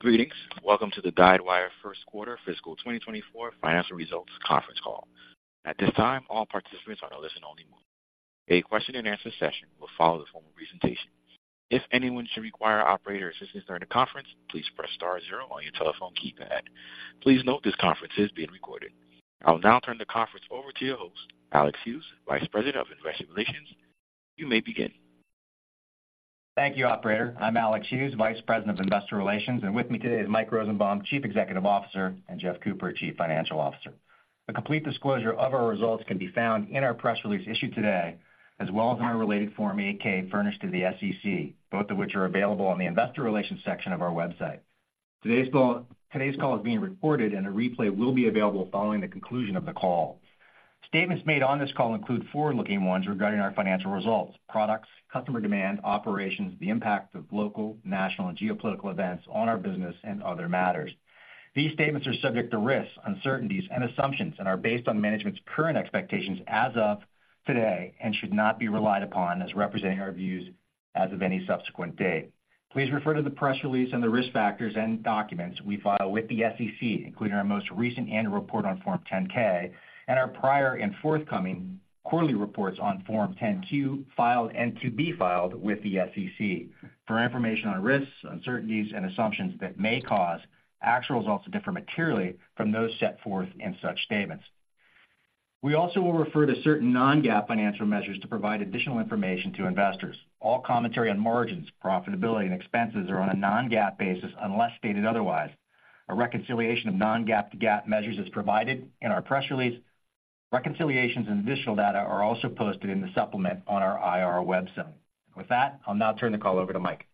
Greetings! Welcome to the Guidewire first quarter fiscal 2024 financial results conference call. At this time, all participants are in a listen-only mode. A question-and-answer session will follow the formal presentation. If anyone should require operator assistance during the conference, please press star zero on your telephone keypad. Please note this conference is being recorded. I'll now turn the conference over to your host, Alex Hughes, Vice President of Investor Relations. You may begin. Thank you, operator. I'm Alex Hughes, Vice President of Investor Relations, and with me today is Mike Rosenbaum, Chief Executive Officer, and Jeff Cooper, Chief Financial Officer. A complete disclosure of our results can be found in our press release issued today, as well as in our related Form 8-K furnished to the SEC, both of which are available on the investor relations section of our website. Today's call is being recorded, and a replay will be available following the conclusion of the call. Statements made on this call include forward-looking ones regarding our financial results, products, customer demand, operations, the impact of local, national, and geopolitical events on our business and other matters. These statements are subject to risks, uncertainties, and assumptions and are based on management's current expectations as of today and should not be relied upon as representing our views as of any subsequent date. Please refer to the press release and the risk factors and documents we file with the SEC, including our most recent annual report on Form 10-K and our prior and forthcoming quarterly reports on Form 10-Q, filed and to be filed with the SEC, for information on risks, uncertainties, and assumptions that may cause actual results to differ materially from those set forth in such statements. We also will refer to certain non-GAAP financial measures to provide additional information to investors. All commentary on margins, profitability, and expenses are on a non-GAAP basis, unless stated otherwise. A reconciliation of non-GAAP to GAAP measures is provided in our press release. Reconciliations and additional data are also posted in the supplement on our IR web zone. With that, I'll now turn the call over to Mike.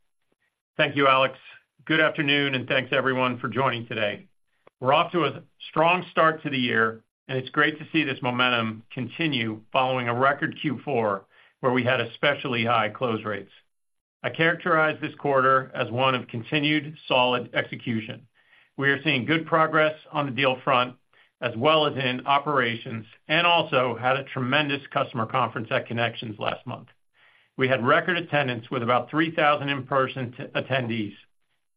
Thank you, Alex. Good afternoon, and thanks, everyone, for joining today. We're off to a strong start to the year, and it's great to see this momentum continue following a record Q4, where we had especially high close rates. I characterize this quarter as one of continued solid execution. We are seeing good progress on the deal front as well as in operations, and also had a tremendous customer conference at Connections last month. We had record attendance with about 3,000 in-person attendees.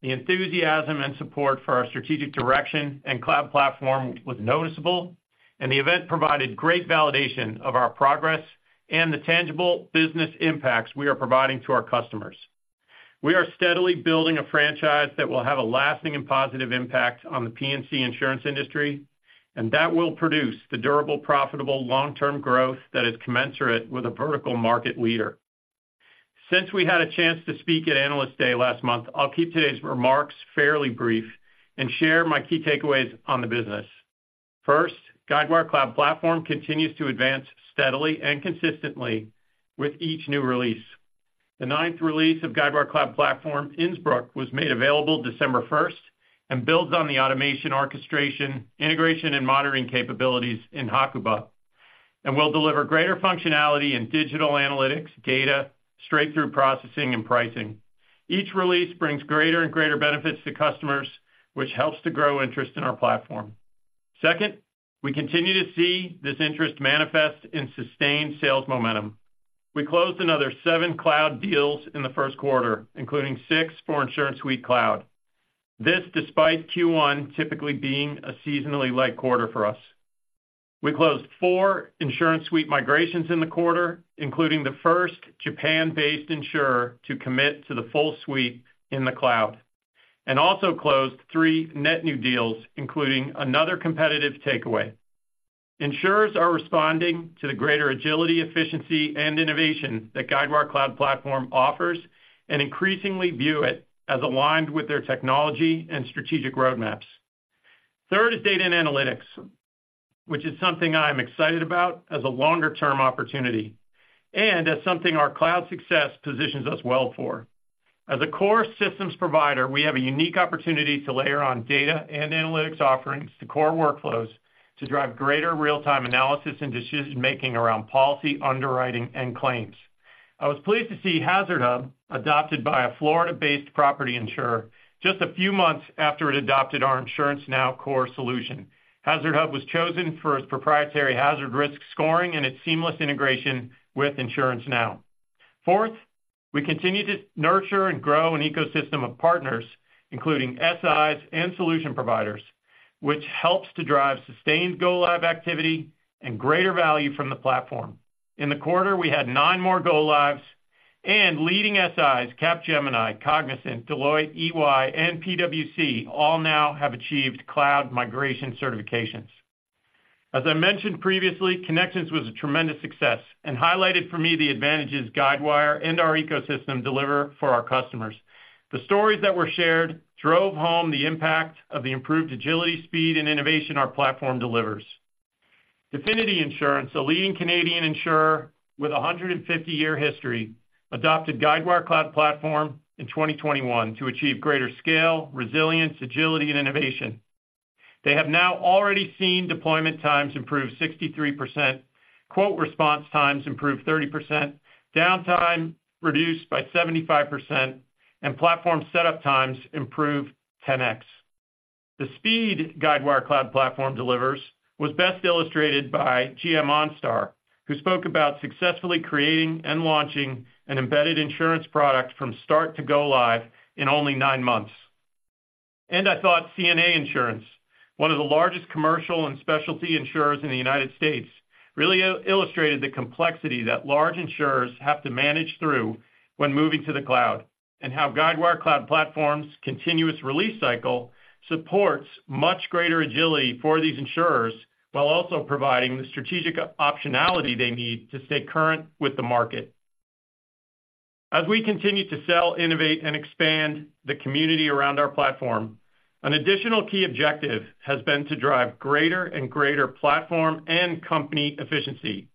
The enthusiasm and support for our strategic direction and cloud platform was noticeable, and the event provided great validation of our progress and the tangible business impacts we are providing to our customers. We are steadily building a franchise that will have a lasting and positive impact on the P&C insurance industry, and that will produce the durable, profitable, long-term growth that is commensurate with a vertical market leader. Since we had a chance to speak at Analyst Day last month, I'll keep today's remarks fairly brief and share my key takeaways on the business. First, Guidewire Cloud Platform continues to advance steadily and consistently with each new release. The ninth release of Guidewire Cloud Platform, Innsbruck, was made available December first and builds on the automation, orchestration, integration, and monitoring capabilities in Hakuba, and will deliver greater functionality in digital analytics, data, straight-through processing, and pricing. Each release brings greater and greater benefits to customers, which helps to grow interest in our platform. Second, we continue to see this interest manifest in sustained sales momentum. We closed another seven cloud deals in the first quarter, including six for InsuranceSuite Cloud. This, despite Q1 typically being a seasonally light quarter for us. We closed 4 InsuranceSuite migrations in the quarter, including the first Japan-based insurer to commit to the full suite in the cloud, and also closed three net new deals, including another competitive takeaway. Insurers are responding to the greater agility, efficiency, and innovation that Guidewire Cloud Platform offers and increasingly view it as aligned with their technology and strategic roadmaps. Third is data and analytics, which is something I am excited about as a longer-term opportunity and as something our cloud success positions us well for. As a core systems provider, we have a unique opportunity to layer on data and analytics offerings to core workflows to drive greater real-time analysis and decision-making around policy, underwriting, and claims. I was pleased to see HazardHub adopted by a Florida-based property insurer just a few months after it adopted our InsuranceNow core solution. HazardHub was chosen for its proprietary hazard risk scoring and its seamless integration with InsuranceNow. Fourth, we continue to nurture and grow an ecosystem of partners, including SIs and solution providers, which helps to drive sustained go-live activity and greater value from the platform. In the quarter, we had nine more go-lives and leading SIs, Capgemini, Cognizant, Deloitte, EY, and PwC, all now have achieved cloud migration certifications. As I mentioned previously, Connections was a tremendous success and highlighted for me the advantages Guidewire and our ecosystem deliver for our customers. The stories that were shared drove home the impact of the improved agility, speed, and innovation our platform delivers. Definity Insurance, a leading Canadian insurer with a 150-year history, adopted Guidewire Cloud Platform in 2021 to achieve greater scale, resilience, agility, and innovation. They have now already seen deployment times improve 63%, quote response times improve 30%, downtime reduced by 75%, and platform setup times improve 10x. The speed Guidewire Cloud Platform delivers was best illustrated by GM OnStar, who spoke about successfully creating and launching an embedded insurance product from start to go live in only nine months. I thought CNA Insurance, one of the largest commercial and specialty insurers in the United States, really illustrated the complexity that large insurers have to manage through when moving to the cloud, and how Guidewire Cloud Platform's continuous release cycle supports much greater agility for these insurers, while also providing the strategic optionality they need to stay current with the market. As we continue to sell, innovate, and expand the community around our platform, an additional key objective has been to drive greater and greater platform and company efficiency.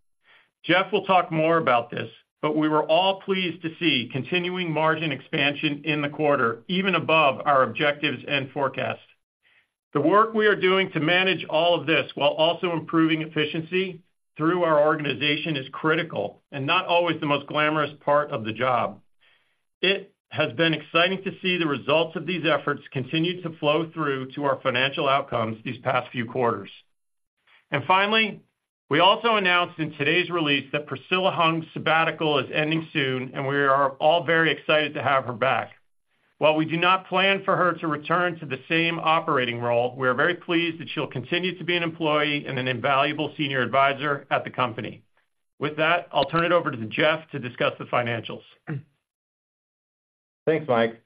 Jeff will talk more about this, but we were all pleased to see continuing margin expansion in the quarter, even above our objectives and forecasts. The work we are doing to manage all of this while also improving efficiency through our organization is critical and not always the most glamorous part of the job. It has been exciting to see the results of these efforts continue to flow through to our financial outcomes these past few quarters. Finally, we also announced in today's release that Priscilla Hung's sabbatical is ending soon, and we are all very excited to have her back. While we do not plan for her to return to the same operating role, we are very pleased that she'll continue to be an employee and an invaluable senior advisor at the company. With that, I'll turn it over to Jeff to discuss the financials. Thanks, Mike.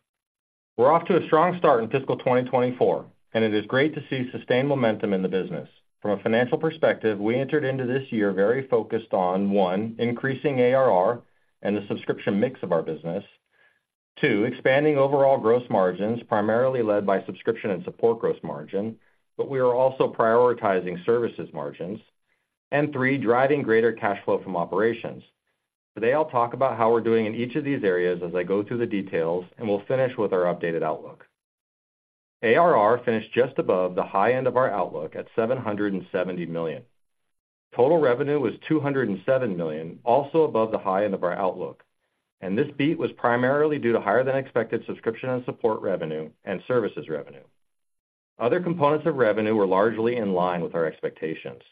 We're off to a strong start in fiscal 2024, and it is great to see sustained momentum in the business. From a financial perspective, we entered into this year very focused on, one, increasing ARR and the subscription mix of our business. Two, expanding overall gross margins, primarily led by subscription and support gross margin, but we are also prioritizing services margins. And three, driving greater cash flow from operations. Today, I'll talk about how we're doing in each of these areas as I go through the details, and we'll finish with our updated outlook. ARR finished just above the high end of our outlook at $770 million. Total revenue was $207 million, also above the high end of our outlook, and this beat was primarily due to higher than expected subscription and support revenue and services revenue. Other components of revenue were largely in line with our expectations.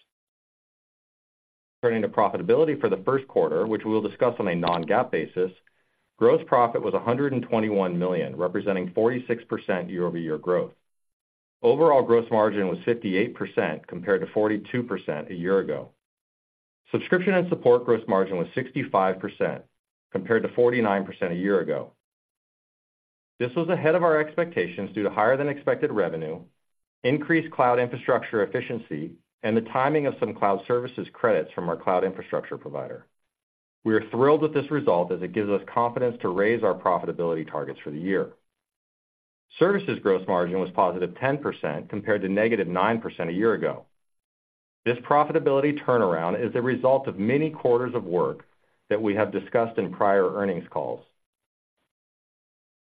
Turning to profitability for the first quarter, which we'll discuss on a non-GAAP basis, gross profit was $121 million, representing 46% year-over-year growth. Overall gross margin was 58%, compared to 42% a year ago. Subscription and support gross margin was 65%, compared to 49% a year ago. This was ahead of our expectations due to higher than expected revenue, increased cloud infrastructure efficiency, and the timing of some cloud services credits from our cloud infrastructure provider. We are thrilled with this result as it gives us confidence to raise our profitability targets for the year. Services gross margin was positive 10%, compared to negative 9% a year ago. This profitability turnaround is a result of many quarters of work that we have discussed in prior earnings calls.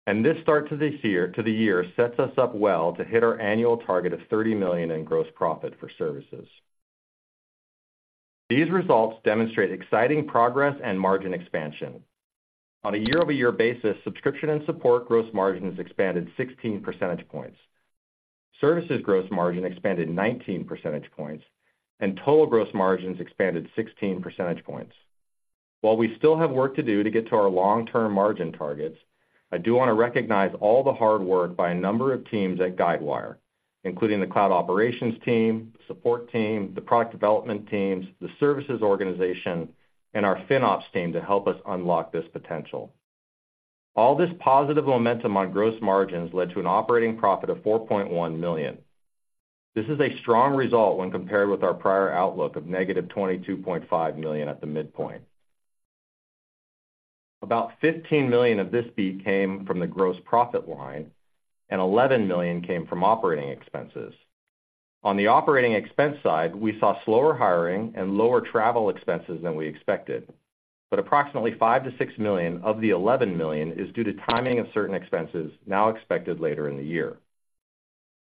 This start to the year sets us up well to hit our annual target of $30 million in gross profit for services. These results demonstrate exciting progress and margin expansion. On a year-over-year basis, subscription and support gross margins expanded 16 percentage points. Services gross margin expanded 19 percentage points, and total gross margins expanded 16 percentage points. While we still have work to do to get to our long-term margin targets, I do want to recognize all the hard work by a number of teams at Guidewire, including the cloud operations team, support team, the product development teams, the services organization, and our FinOps team to help us unlock this potential. All this positive momentum on gross margins led to an operating profit of $4.1 million. This is a strong result when compared with our prior outlook of negative $22.5 million at the midpoint. About $15 million of this beat came from the gross profit line, and $11 million came from operating expenses. On the operating expense side, we saw slower hiring and lower travel expenses than we expected, but approximately $5 million-$6 million of the $11 million is due to timing of certain expenses now expected later in the year.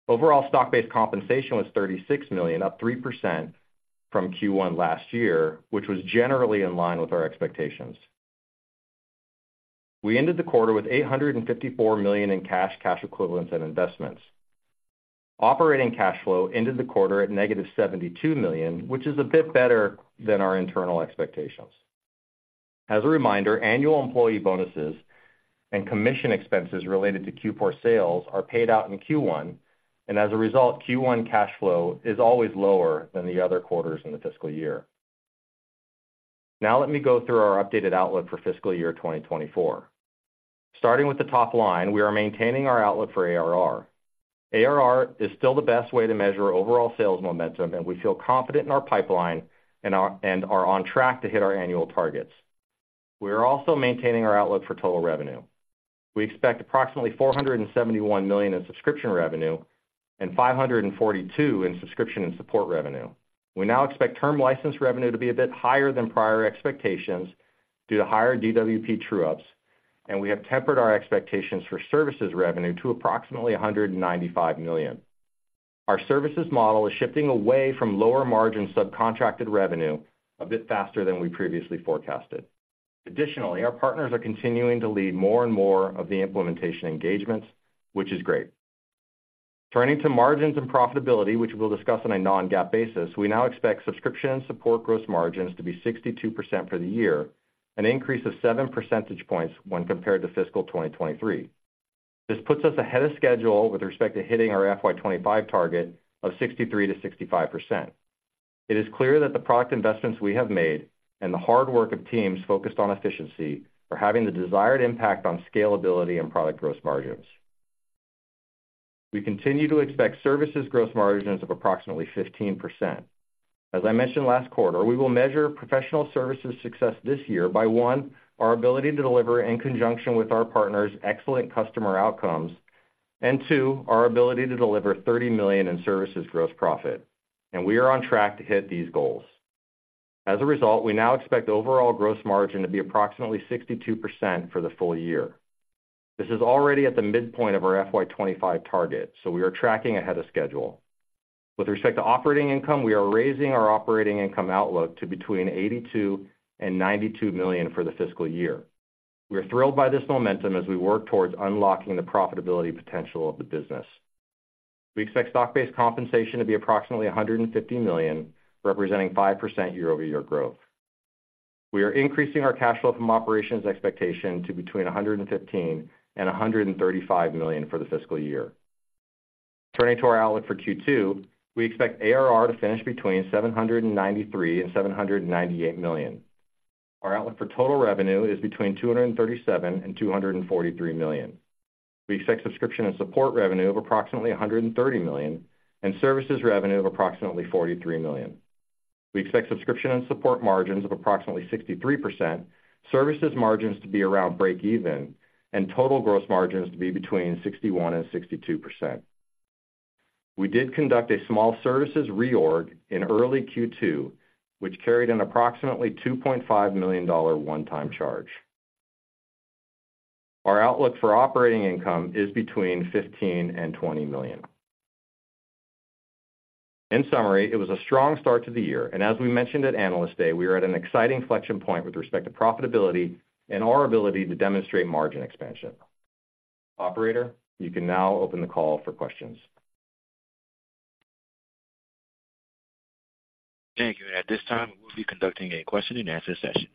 Overall, stock-based compensation was $36 million, up 3% from Q1 last year, which was generally in line with our expectations. We ended the quarter with $854 million in cash, cash equivalents, and investments. Operating cash flow ended the quarter at negative $72 million, which is a bit better than our internal expectations. As a reminder, annual employee bonuses and commission expenses related to Q4 sales are paid out in Q1, and as a result, Q1 cash flow is always lower than the other quarters in the fiscal year. Now let me go through our updated outlook for fiscal year 2024. Starting with the top line, we are maintaining our outlook for ARR. ARR is still the best way to measure overall sales momentum, and we feel confident in our pipeline and are on track to hit our annual targets. We are also maintaining our outlook for total revenue. We expect approximately $471 million in subscription revenue and $542 million in subscription and support revenue. We now expect term license revenue to be a bit higher than prior expectations due to higher DWP true-ups, and we have tempered our expectations for services revenue to approximately $195 million. Our services model is shifting away from lower margin subcontracted revenue a bit faster than we previously forecasted. Additionally, our partners are continuing to lead more and more of the implementation engagements, which is great. Turning to margins and profitability, which we'll discuss on a Non-GAAP basis, we now expect subscription and support gross margins to be 62% for the year, an increase of seven percentage points when compared to fiscal 2023. This puts us ahead of schedule with respect to hitting our FY 2025 target of 63%-65%. It is clear that the product investments we have made and the hard work of teams focused on efficiency are having the desired impact on scalability and product gross margins. We continue to expect services gross margins of approximately 15%. As I mentioned last quarter, we will measure professional services success this year by, one, our ability to deliver in conjunction with our partners' excellent customer outcomes, and two, our ability to deliver $30 million in services gross profit, and we are on track to hit these goals. As a result, we now expect overall gross margin to be approximately 62% for the full year. This is already at the midpoint of our FY 2025 target, so we are tracking ahead of schedule. With respect to operating income, we are raising our operating income outlook to between $82 million and $92 million for the fiscal year. We are thrilled by this momentum as we work towards unlocking the profitability potential of the business. We expect stock-based compensation to be approximately $150 million, representing 5% year-over-year growth. We are increasing our cash flow from operations expectation to between $115 million and $135 million for the fiscal year. Turning to our outlook for Q2, we expect ARR to finish between $793 million and $798 million. Our outlook for total revenue is between $237 million and $243 million. We expect subscription and support revenue of approximately $130 million and services revenue of approximately $43 million. We expect subscription and support margins of approximately 63%, services margins to be around breakeven, and total gross margins to be between 61% and 62%. We did conduct a small services reorg in early Q2, which carried an approximately $2.5 million one-time charge. Our outlook for operating income is between $15 million and $20 million. In summary, it was a strong start to the year, and as we mentioned at Analyst Day, we are at an exciting inflection point with respect to profitability and our ability to demonstrate margin expansion. Operator, you can now open the call for questions. Thank you. At this time, we'll be conducting a question-and-answer session.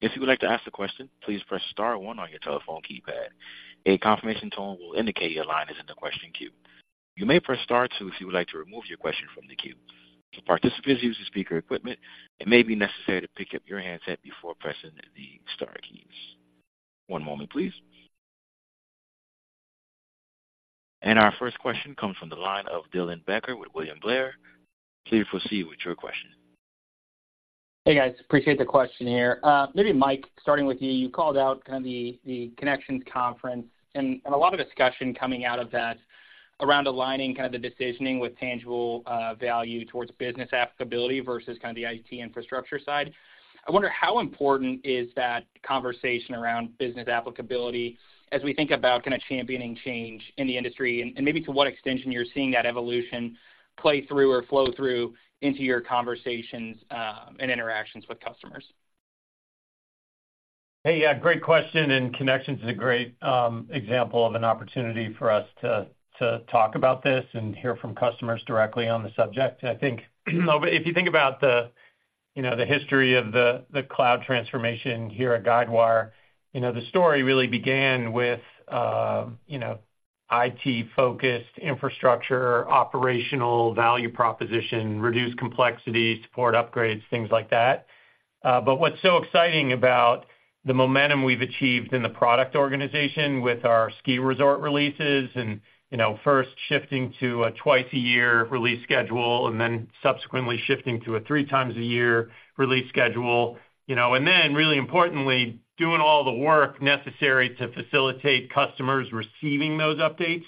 If you would like to ask a question, please press star one on your telephone keypad. A confirmation tone will indicate your line is in the question queue. You may press star two if you would like to remove your question from the queue. For participants using speaker equipment, it may be necessary to pick up your handset before pressing the star keys. One moment, please. Our first question comes from the line of Dylan Becker with William Blair. Please proceed with your question. Hey, guys, appreciate the question here. Maybe Mike, starting with you, you called out kind of the Connections conference and a lot of discussion coming out of that around aligning kind of the decisioning with tangible value towards business applicability versus kind of the IT infrastructure side. I wonder how important is that conversation around business applicability as we think about kind of championing change in the industry, and maybe to what extension you're seeing that evolution play through or flow through into your conversations and interactions with customers? Hey, yeah, great question, and Connections is a great example of an opportunity for us to talk about this and hear from customers directly on the subject. I think if you think about the, you know, the history of the cloud transformation here at Guidewire, you know, the story really began with you know IT-focused infrastructure, operational value proposition, reduced complexity, support upgrades, things like that. But what's so exciting about the momentum we've achieved in the product organization with our ski resort releases and, you know, first shifting to a twice-a-year release schedule, and then subsequently shifting to a three-times-a-year release schedule, you know, and then really importantly, doing all the work necessary to facilitate customers receiving those updates.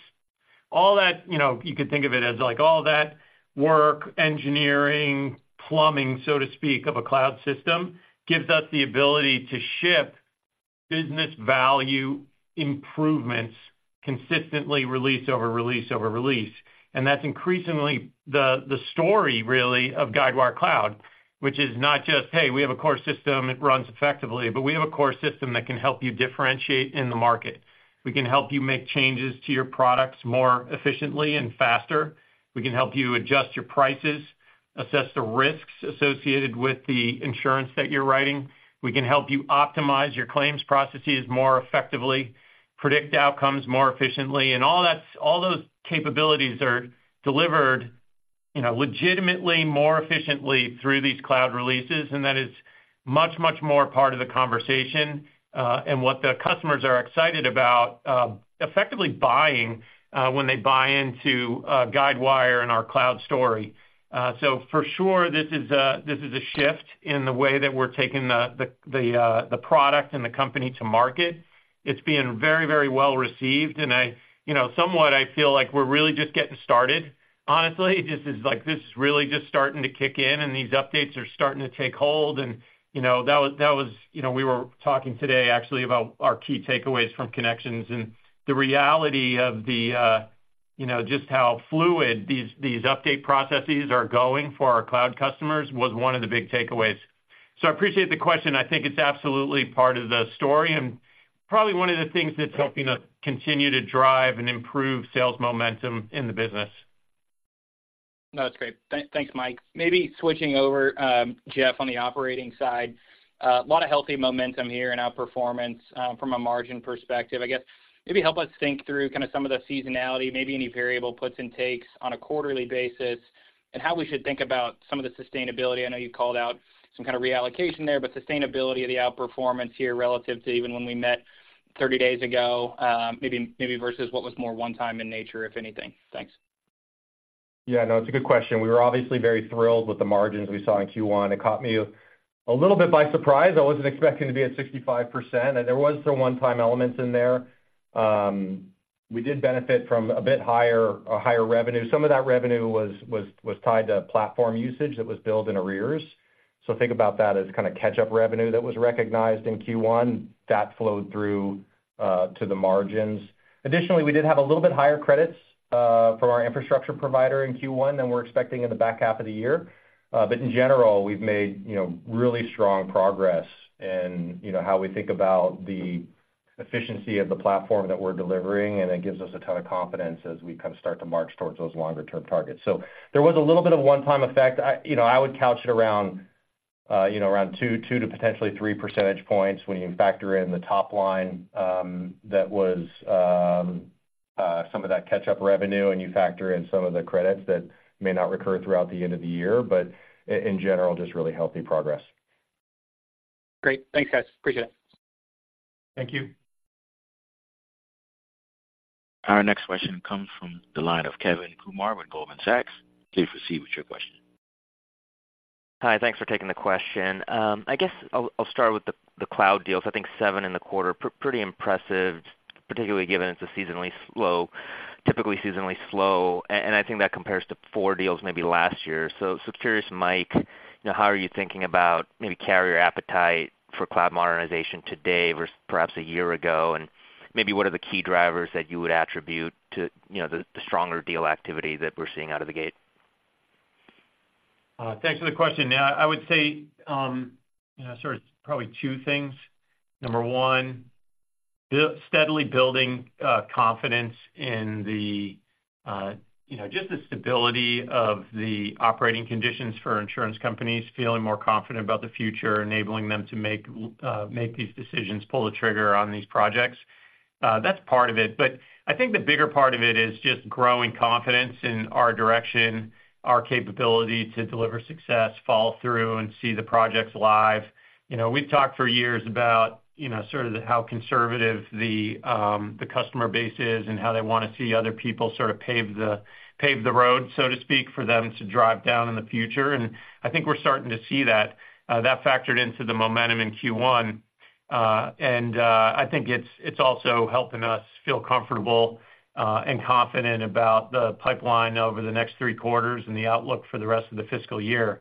All that, you know, you could think of it as like all that work, engineering, plumbing, so to speak, of a cloud system, gives us the ability to ship business value improvements consistently release over release over release. And that's increasingly the, the story really of Guidewire Cloud, which is not just, "Hey, we have a core system, it runs effectively," but we have a core system that can help you differentiate in the market. We can help you make changes to your products more efficiently and faster. We can help you adjust your prices, assess the risks associated with the insurance that you're writing. We can help you optimize your claims processes more effectively, predict outcomes more efficiently, and all that—all those capabilities are delivered, you know, legitimately more efficiently through these cloud releases. That is much, much more part of the conversation, and what the customers are excited about, effectively buying, when they buy into Guidewire and our cloud story. So for sure, this is a shift in the way that we're taking the product and the company to market. It's being very, very well received, and I. You know, somewhat, I feel like we're really just getting started, honestly. This is like really just starting to kick in, and these updates are starting to take hold. You know, that was. You know, we were talking today actually about our key takeaways from Connections and the reality of the, you know, just how fluid these update processes are going for our cloud customers was one of the big takeaways. So I appreciate the question. I think it's absolutely part of the story, and probably one of the things that's helping us continue to drive and improve sales momentum in the business. No, that's great. Thank, Mike. Maybe switching over, Jeff, on the operating side. A lot of healthy momentum here in outperformance, from a margin perspective. I guess, maybe help us think through kind of some of the seasonality, maybe any variable puts and takes on a quarterly basis, and how we should think about some of the sustainability. I know you called out some kind of reallocation there, but sustainability of the outperformance here relative to even when we met 30 days ago, maybe, maybe versus what was more one time in nature, if anything. Thanks. Yeah, no, it's a good question. We were obviously very thrilled with the margins we saw in Q1. It caught me a little bit by surprise. I wasn't expecting to be at 65%, and there was some one-time elements in there. We did benefit from a bit higher higher revenue. Some of that revenue was tied to platform usage that was billed in arrears. So think about that as kind of catch-up revenue that was recognized in Q1. That flowed through to the margins. Additionally, we did have a little bit higher credits from our infrastructure provider in Q1 than we're expecting in the back half of the year. But in general, we've made, you know, really strong progress in, you know, how we think about the efficiency of the platform that we're delivering, and it gives us a ton of confidence as we kind of start to march towards those longer-term targets. So there was a little bit of one-time effect. I, you know, I would couch it around, you know, around two to potentially three percentage points when you factor in the top line, that was some of that catch-up revenue, and you factor in some of the credits that may not recur throughout the end of the year, but in general, just really healthy progress. Great. Thanks, guys. Appreciate it. Thank you. Our next question comes from the line of Kevin Kumar with Goldman Sachs. Please proceed with your question. Hi, thanks for taking the question. I guess I'll start with the cloud deals. I think seven in the quarter, pretty impressive, particularly given it's a seasonally slow, typically seasonally slow, and I think that compares to four deals maybe last year. So curious, Mike, you know, how are you thinking about maybe carrier appetite for cloud modernization today versus perhaps a year ago? And maybe what are the key drivers that you would attribute to, you know, the stronger deal activity that we're seeing out of the gate? Thanks for the question. Yeah, I would say, you know, sort of probably two things. Number one, steadily building confidence in the, you know, just the stability of the operating conditions for insurance companies, feeling more confident about the future, enabling them to make these decisions, pull the trigger on these projects. That's part of it. But I think the bigger part of it is just growing confidence in our direction, our capability to deliver success, follow through, and see the projects live. You know, we've talked for years about, you know, sort of the, how conservative the customer base is and how they want to see other people sort of pave the road, so to speak, for them to drive down in the future. And I think we're starting to see that. That factored into the momentum in Q1. I think it's also helping us feel comfortable and confident about the pipeline over the next three quarters and the outlook for the rest of the fiscal year.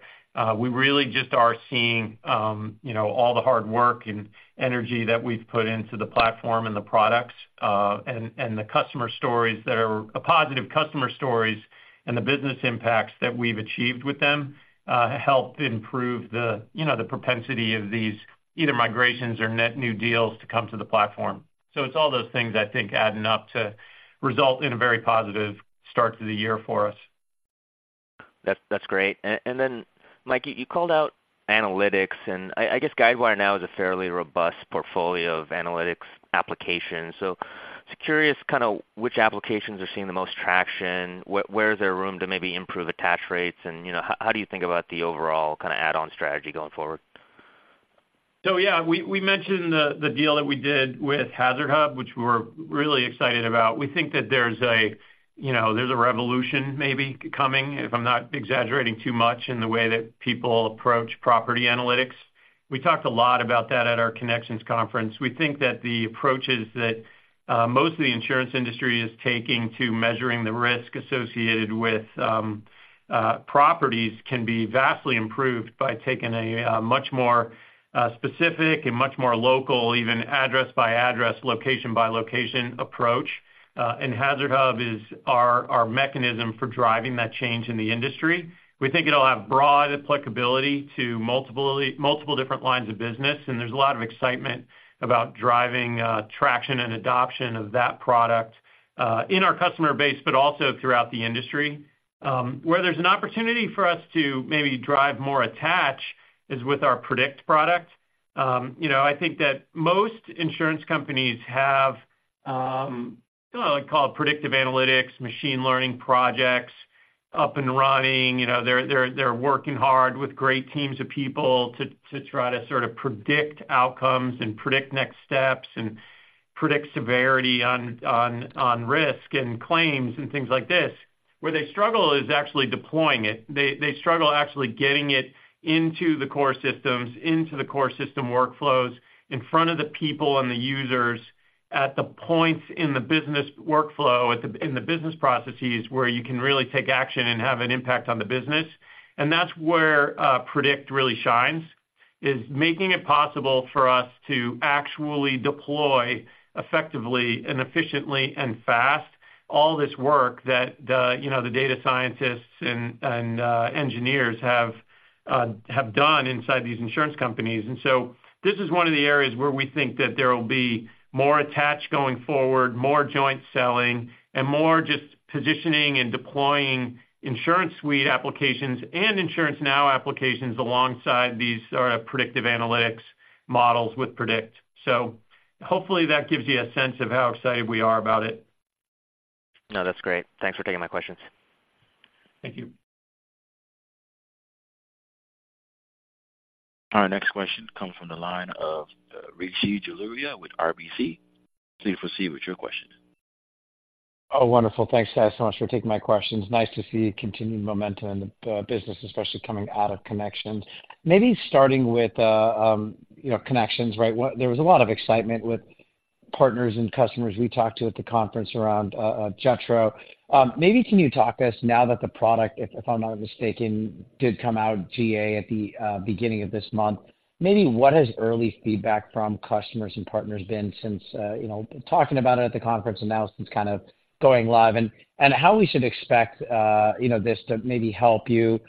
We really just are seeing, you know, all the hard work and energy that we've put into the platform and the products, and the customer stories that are positive customer stories and the business impacts that we've achieved with them help improve the, you know, the propensity of these either migrations or net new deals to come to the platform. So it's all those things I think, adding up to result in a very positive start to the year for us. That's great. And then, Mike, you called out analytics, and I guess Guidewire now has a fairly robust portfolio of analytics applications. So just curious kind of which applications are seeing the most traction, where is there room to maybe improve attach rates? And, you know, how do you think about the overall kind of add-on strategy going forward? So yeah, we mentioned the deal that we did with HazardHub, which we're really excited about. We think that there's a, you know, revolution maybe coming, if I'm not exaggerating too much, in the way that people approach property analytics. We talked a lot about that at our Connections conference. We think that the approaches that most of the insurance industry is taking to measuring the risk associated with properties can be vastly improved by taking a much more specific and much more local, even address-by-address, location-by-location approach. And HazardHub is our mechanism for driving that change in the industry. We think it'll have broad applicability to multiple different lines of business, and there's a lot of excitement about driving traction and adoption of that product in our customer base, but also throughout the industry. Where there's an opportunity for us to maybe drive more attach is with our Predict product. You know, I think that most insurance companies have what I call predictive analytics, machine learning projects up and running. You know, they're working hard with great teams of people to try to sort of predict outcomes and predict next steps and predict severity on risk and claims and things like this. Where they struggle is actually deploying it. They struggle actually getting it into the core systems, into the core system workflows, in front of the people and the users at the points in the business workflow, in the business processes, where you can really take action and have an impact on the business. And that's where Predict really shines. is making it possible for us to actually deploy effectively and efficiently and fast, all this work that the, you know, the data scientists and engineers have done inside these insurance companies. And so this is one of the areas where we think that there will be more attached going forward, more joint selling, and more just positioning and deploying InsuranceSuite applications and InsuranceNow applications alongside these predictive analytics models with Predict. So hopefully that gives you a sense of how excited we are about it. No, that's great. Thanks for taking my questions. Thank you. Our next question comes from the line of Rishi Jaluria with RBC. Please proceed with your question. Oh, wonderful. Thanks, guys, so much for taking my questions. Nice to see continued momentum in the business, especially coming out of Connections. Maybe starting with, you know, Connections, right? What— There was a lot of excitement with partners and customers we talked to at the conference around Jutro. Maybe can you talk to us now that the product, if I'm not mistaken, did come out GA at the beginning of this month, maybe what has early feedback from customers and partners been since, you know, talking about it at the conference and now since kind of going live? And how we should expect, you know, this to maybe help you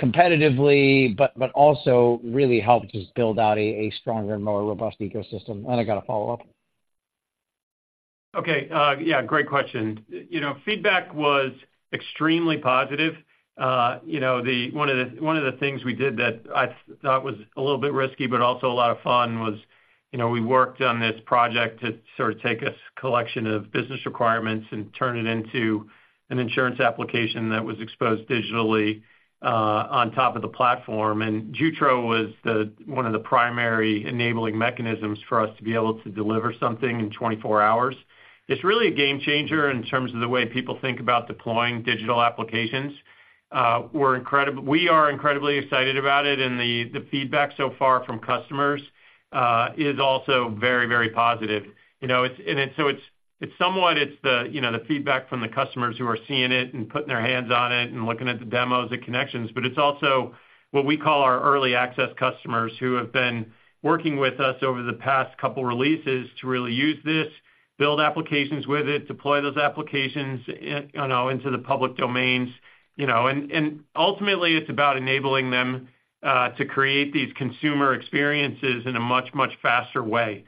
competitively, but also really help just build out a stronger and more robust ecosystem. And I got a follow-up. Okay, yeah, great question. You know, feedback was extremely positive. You know, one of the things we did that I thought was a little bit risky, but also a lot of fun, was, you know, we worked on this project to sort of take a collection of business requirements and turn it into an insurance application that was exposed digitally on top of the platform. And Jutro was one of the primary enabling mechanisms for us to be able to deliver something in 24 hours. It's really a game changer in terms of the way people think about deploying digital applications. We are incredibly excited about it, and the feedback so far from customers is also very, very positive. You know, it's somewhat the feedback from the customers who are seeing it and putting their hands on it and looking at the demos at Connections, but it's also what we call our early access customers, who have been working with us over the past couple releases to really use this, build applications with it, deploy those applications into the public domains, you know. And ultimately, it's about enabling them to create these consumer experiences in a much, much faster way.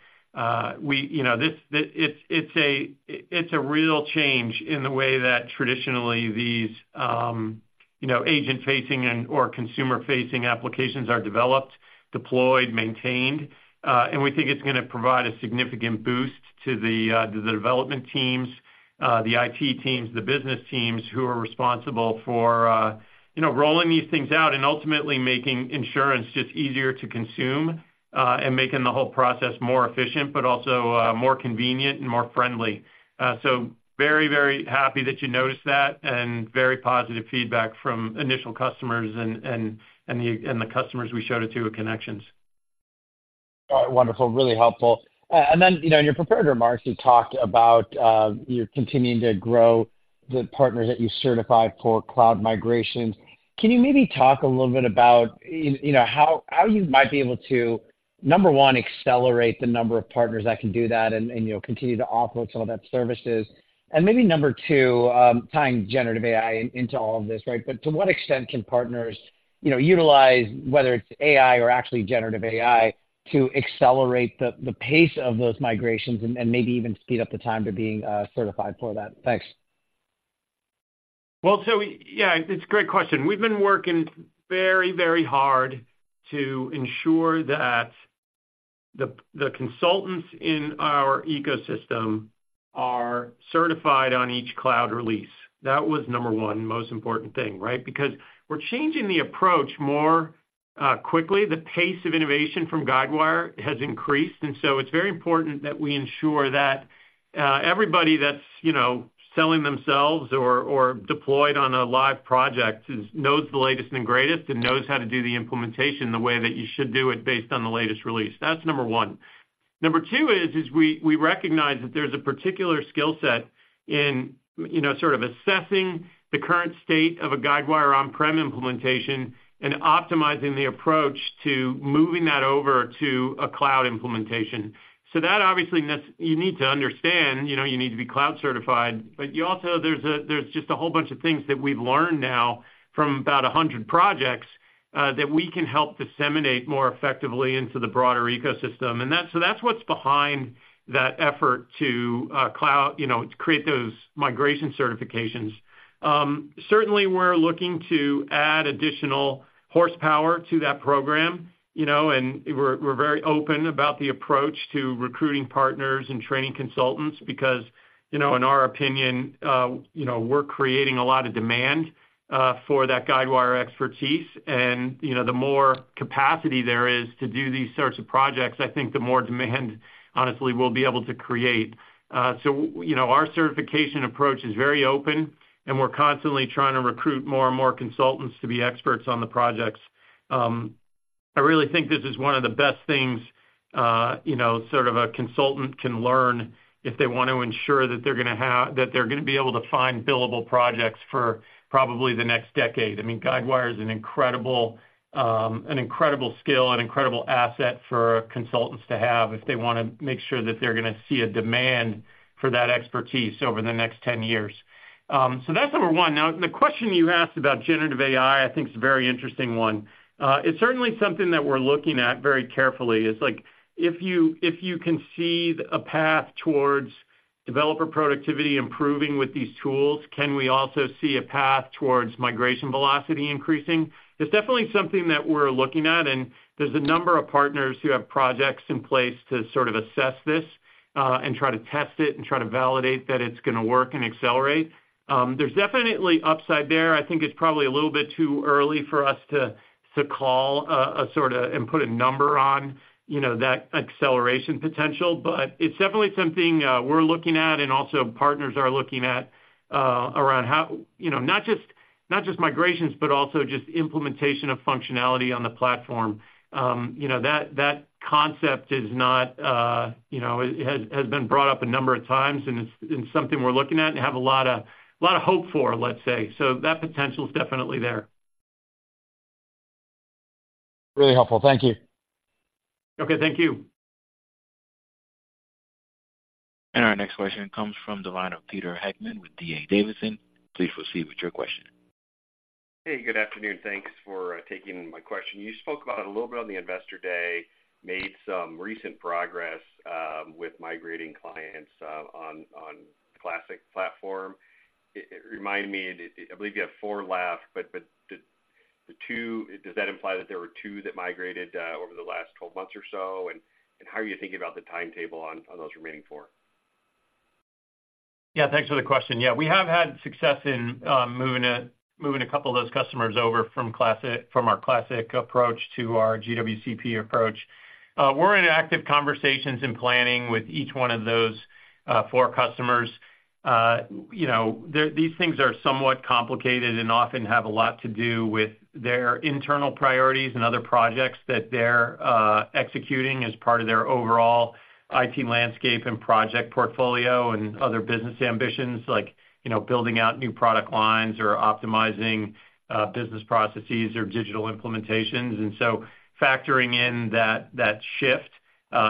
We, you know, it's a real change in the way that traditionally these, you know, agent-facing and/or consumer-facing applications are developed, deployed, maintained, and we think it's gonna provide a significant boost to the, to the development teams, the IT teams, the business teams who are responsible for, you know, rolling these things out and ultimately making insurance just easier to consume, and making the whole process more efficient, but also, more convenient and more friendly. So very, very happy that you noticed that, and very positive feedback from initial customers and the customers we showed it to at Connections. All right. Wonderful. Really helpful. And then, you know, in your prepared remarks, you talked about, you're continuing to grow the partners that you certify for cloud migrations. Can you maybe talk a little bit about, you know, how you might be able to, number one, accelerate the number of partners that can do that and, you know, continue to offer some of that services? And maybe number two, tying generative AI into all of this, right? But to what extent can partners, you know, utilize, whether it's AI or actually generative AI, to accelerate the pace of those migrations and maybe even speed up the time to being certified for that? Thanks. Well, so we... Yeah, it's a great question. We've been working very, very hard to ensure that the consultants in our ecosystem are certified on each cloud release. That was number one most important thing, right? Because we're changing the approach more quickly. The pace of innovation from Guidewire has increased, and so it's very important that we ensure that everybody that's, you know, selling themselves or deployed on a live project knows the latest and greatest and knows how to do the implementation the way that you should do it based on the latest release. That's number one. Number two is we recognize that there's a particular skill set in, you know, sort of assessing the current state of a Guidewire on-prem implementation and optimizing the approach to moving that over to a cloud implementation. So that obviously needs you need to understand, you know, you need to be cloud certified, but you also, there's a, there's just a whole bunch of things that we've learned now from about 100 projects, that we can help disseminate more effectively into the broader ecosystem. And that's so that's what's behind that effort to cloud, you know, to create those migration certifications. Certainly, we're looking to add additional horsepower to that program, you know, and we're, we're very open about the approach to recruiting partners and training consultants because, you know, in our opinion, you know, we're creating a lot of demand for that Guidewire expertise. And, you know, the more capacity there is to do these sorts of projects, I think the more demand, honestly, we'll be able to create. So, you know, our certification approach is very open, and we're constantly trying to recruit more and more consultants to be experts on the projects. I really think this is one of the best things you know, sort of a consultant can learn if they want to ensure that they're gonna be able to find billable projects for probably the next decade. I mean, Guidewire is an incredible, an incredible skill, an incredible asset for consultants to have if they wanna make sure that they're gonna see a demand for that expertise over the next 10 years. So that's number one. Now, the question you asked about generative AI, I think, is a very interesting one. It's certainly something that we're looking at very carefully. It's like, if you can see a path towards developer productivity improving with these tools, can we also see a path towards migration velocity increasing? It's definitely something that we're looking at, and there's a number of partners who have projects in place to sort of assess this, and try to test it and try to validate that it's gonna work and accelerate. There's definitely upside there. I think it's probably a little bit too early for us to call a sort of and put a number on, you know, that acceleration potential. But it's definitely something we're looking at and also partners are looking at, around how, you know, not just migrations, but also just implementation of functionality on the platform. You know, that concept is not, you know, it has been brought up a number of times, and it's something we're looking at and have a lot of hope for, let's say. So that potential is definitely there. Really helpful. Thank you. Okay, thank you. Our next question comes from the line of Pete Heckmann with D.A. Davidson. Please proceed with your question. Hey, good afternoon. Thanks for taking my question. You spoke about a little bit on the Investor Day, made some recent progress with migrating clients on classic platform. It reminds me, I believe you have four left, but the two does that imply that there were two that migrated over the last 12 months or so? And how are you thinking about the timetable on those remaining four? Yeah, thanks for the question. Yeah, we have had success in moving a couple of those customers over from classic from our classic approach to our GWCP approach. We're in active conversations and planning with each one of those four customers. You know, these things are somewhat complicated and often have a lot to do with their internal priorities and other projects that they're executing as part of their overall IT landscape and project portfolio, and other business ambitions, like, you know, building out new product lines or optimizing business processes or digital implementations. And so factoring in that shift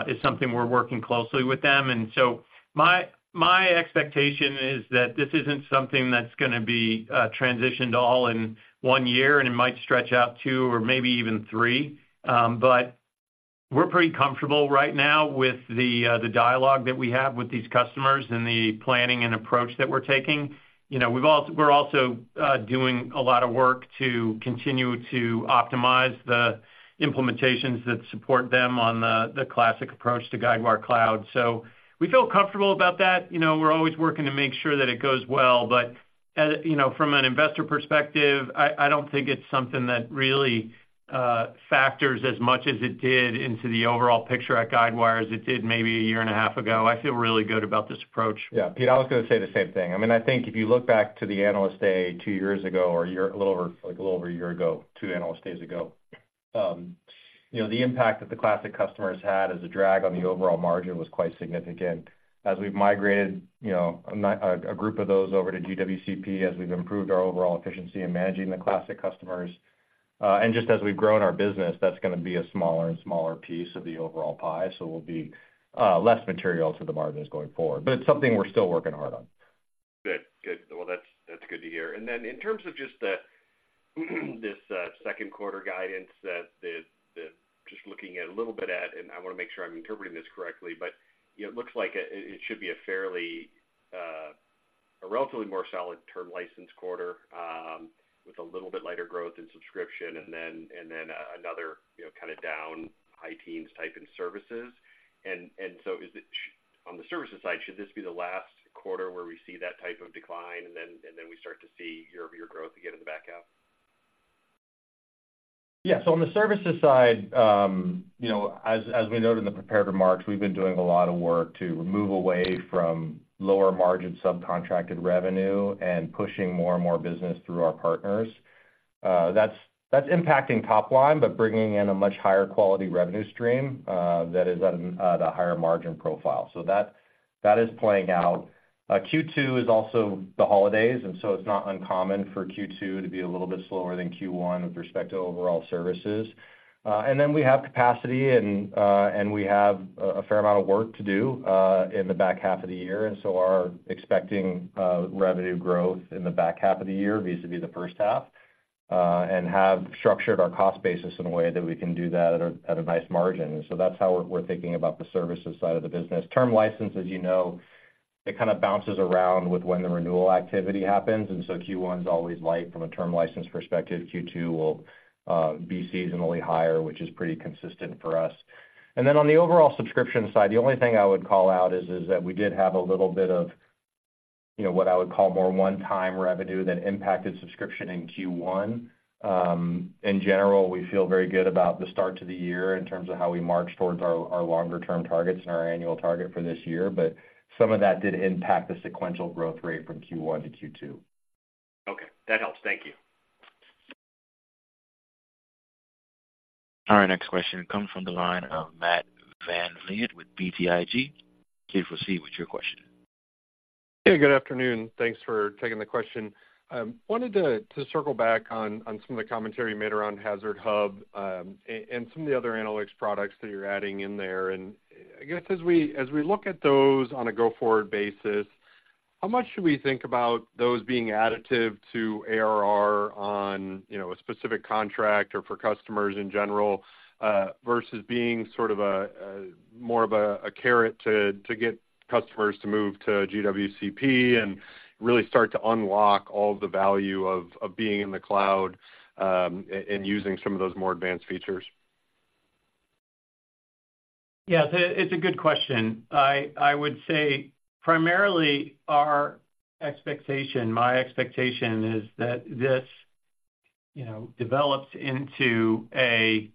is something we're working closely with them. And so my expectation is that this isn't something that's gonna be transitioned all in one year, and it might stretch out two or maybe even three. But we're pretty comfortable right now with the dialogue that we have with these customers and the planning and approach that we're taking. You know, we're also doing a lot of work to continue to optimize the implementations that support them on the classic approach to Guidewire Cloud. So we feel comfortable about that. You know, we're always working to make sure that it goes well. But you know, from an investor perspective, I don't think it's something that really factors as much as it did into the overall picture at Guidewire as it did maybe a year and a half ago. I feel really good about this approach. Yeah. Pete, I was gonna say the same thing. I mean, I think if you look back to the Analyst Day two years ago, or a year, a little over, like, a little over a year ago, two Analyst Days ago, you know, the impact that the classic customers had as a drag on the overall margin was quite significant. As we've migrated, you know, a group of those over to GWCP, as we've improved our overall efficiency in managing the classic customers, and just as we've grown our business, that's gonna be a smaller and smaller piece of the overall pie. So we'll be less material to the margins going forward, but it's something we're still working hard on. Good. Well, that's, that's good to hear. And then in terms of just the, this, second quarter guidance that the, the—just looking at a little bit at, and I wanna make sure I'm interpreting this correctly, but, you know, it looks like it, it should be a fairly, a relatively more solid term license quarter, with a little bit lighter growth in subscription, and then, and then another, you know, kind of down high teens type in services. And, and so is it—On the services side, should this be the last quarter where we see that type of decline, and then, and then we start to see year-over-year growth again in the back half? Yeah. So on the services side, you know, as we noted in the prepared remarks, we've been doing a lot of work to move away from lower margin subcontracted revenue and pushing more and more business through our partners. That's impacting top line, but bringing in a much higher quality revenue stream that is at the higher margin profile. So that is playing out. Q2 is also the holidays, and so it's not uncommon for Q2 to be a little bit slower than Q1 with respect to overall services. And then we have capacity and, and we have a, a fair amount of work to do, in the back half of the year, and so are expecting, revenue growth in the back half of the year vis-à-vis the first half, and have structured our cost basis in a way that we can do that at a, at a nice margin. So that's how we're, we're thinking about the services side of the business. Term license, as you know, it kind of bounces around with when the renewal activity happens, and so Q1 is always light from a term license perspective. Q2 will, be seasonally higher, which is pretty consistent for us. And then on the overall subscription side, the only thing I would call out is, is that we did have a little bit of, you know, what I would call more one-time revenue that impacted subscription in Q1. In general, we feel very good about the start to the year in terms of how we march towards our, our longer-term targets and our annual target for this year, but some of that did impact the sequential growth rate from Q1 to Q2. Okay, that helps. Thank you. Our next question comes from the line of Matt VanVliet with BTIG. Please proceed with your question. Hey, good afternoon. Thanks for taking the question. Wanted to circle back on some of the commentary you made around HazardHub and some of the other analytics products that you're adding in there. And I guess as we look at those on a go-forward basis, how much should we think about those being additive to ARR on, you know, a specific contract or for customers in general, versus being sort of a more of a carrot to get customers to move to GWCP and really start to unlock all the value of being in the cloud and using some of those more advanced features? Yeah, it's a good question. I would say, primarily, our expectation, my expectation is that this, you know, develops into a,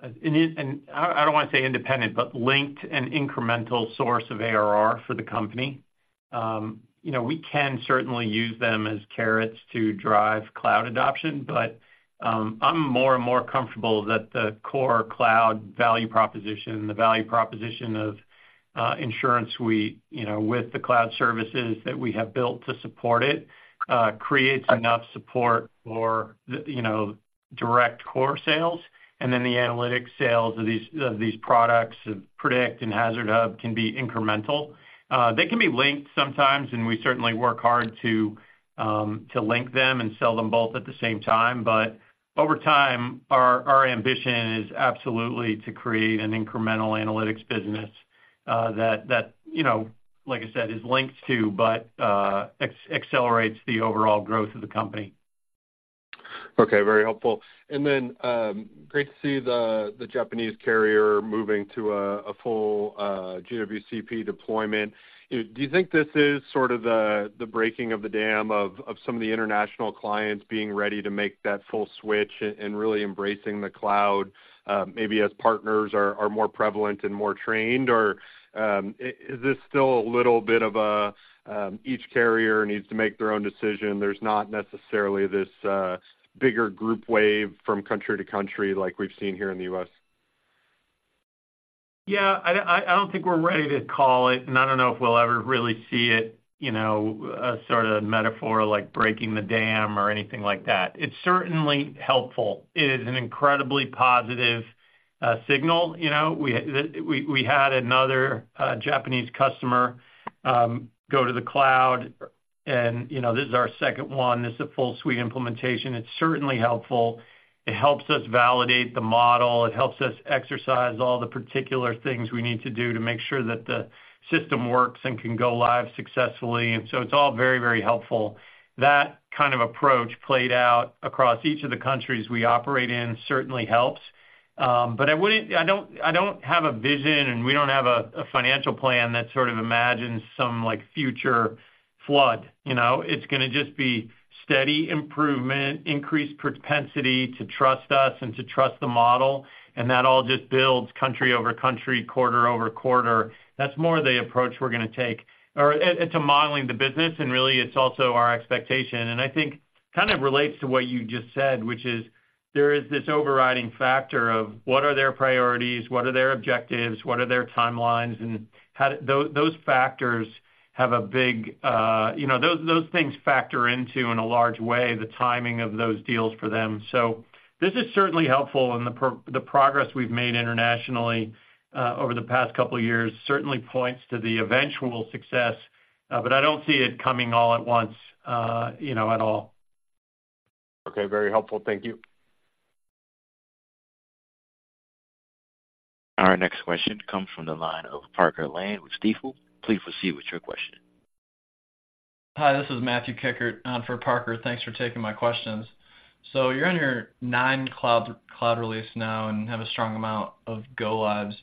and I don't wanna say independent, but linked and incremental source of ARR for the company. You know, we can certainly use them as carrots to drive cloud adoption, but, I'm more and more comfortable that the core cloud value proposition, the value proposition of InsuranceSuite, you know, with the cloud services that we have built to support it, creates enough support for the, you know, direct core sales. And then the analytics sales of these, of these products, Predict and HazardHub, can be incremental. They can be linked sometimes, and we certainly work hard to link them and sell them both at the same time. But over time, our ambition is absolutely to create an incremental analytics business that, you know, like I said, is linked to but accelerates the overall growth of the company. Okay, very helpful. And then, great to see the Japanese carrier moving to a full GWCP deployment. Do you think this is sort of the breaking of the dam of some of the international clients being ready to make that full switch and really embracing the cloud, maybe as partners are more prevalent and more trained? Or, is this still a little bit of each carrier needs to make their own decision, there's not necessarily this bigger group wave from country to country, like we've seen here in the U.S.? Yeah, I don't think we're ready to call it, and I don't know if we'll ever really see it, you know, a sort of metaphor like breaking the dam or anything like that. It's certainly helpful. It is an incredibly positive signal, you know? We had another Japanese customer go to the cloud and, you know, this is our second one. This is a full suite implementation. It's certainly helpful. It helps us validate the model. It helps us exercise all the particular things we need to do to make sure that the system works and can go live successfully. And so it's all very, very helpful. That kind of approach played out across each of the countries we operate in, certainly helps. But I wouldn't— I don't have a vision, and we don't have a financial plan that sort of imagines some, like, future flood, you know? It's gonna just be steady improvement, increased propensity to trust us and to trust the model, and that all just builds country over country, quarter over quarter. That's more the approach we're gonna take. Or, and to modeling the business, and really, it's also our expectation. And I think kind of relates to what you just said, which is there is this overriding factor of what are their priorities, what are their objectives, what are their timelines, and how do those, those factors have a big... You know, those, those things factor into, in a large way, the timing of those deals for them. So this is certainly helpful, and the progress we've made internationally, over the past couple of years, certainly points to the eventual success, but I don't see it coming all at once, you know, at all. Okay, very helpful. Thank you. Our next question comes from the line of Parker Lane with Stifel. Please proceed with your question. Hi, this is Matthew Kikkert in for Parker. Thanks for taking my questions. So you're on your ninth cloud, cloud release now and have a strong amount of go-lives.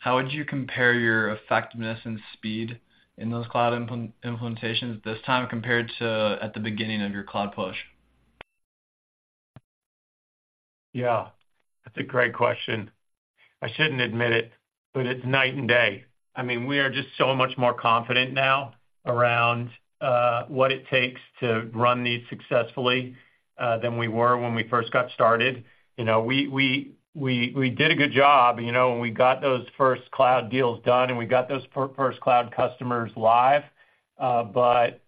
How would you compare your effectiveness and speed in those cloud implementations this time compared to at the beginning of your cloud push? Yeah, that's a great question. I shouldn't admit it, but it's night and day. I mean, we are just so much more confident now around what it takes to run these successfully than we were when we first got started. You know, we did a good job, you know, when we got those first cloud deals done, and we got those first cloud customers live. But,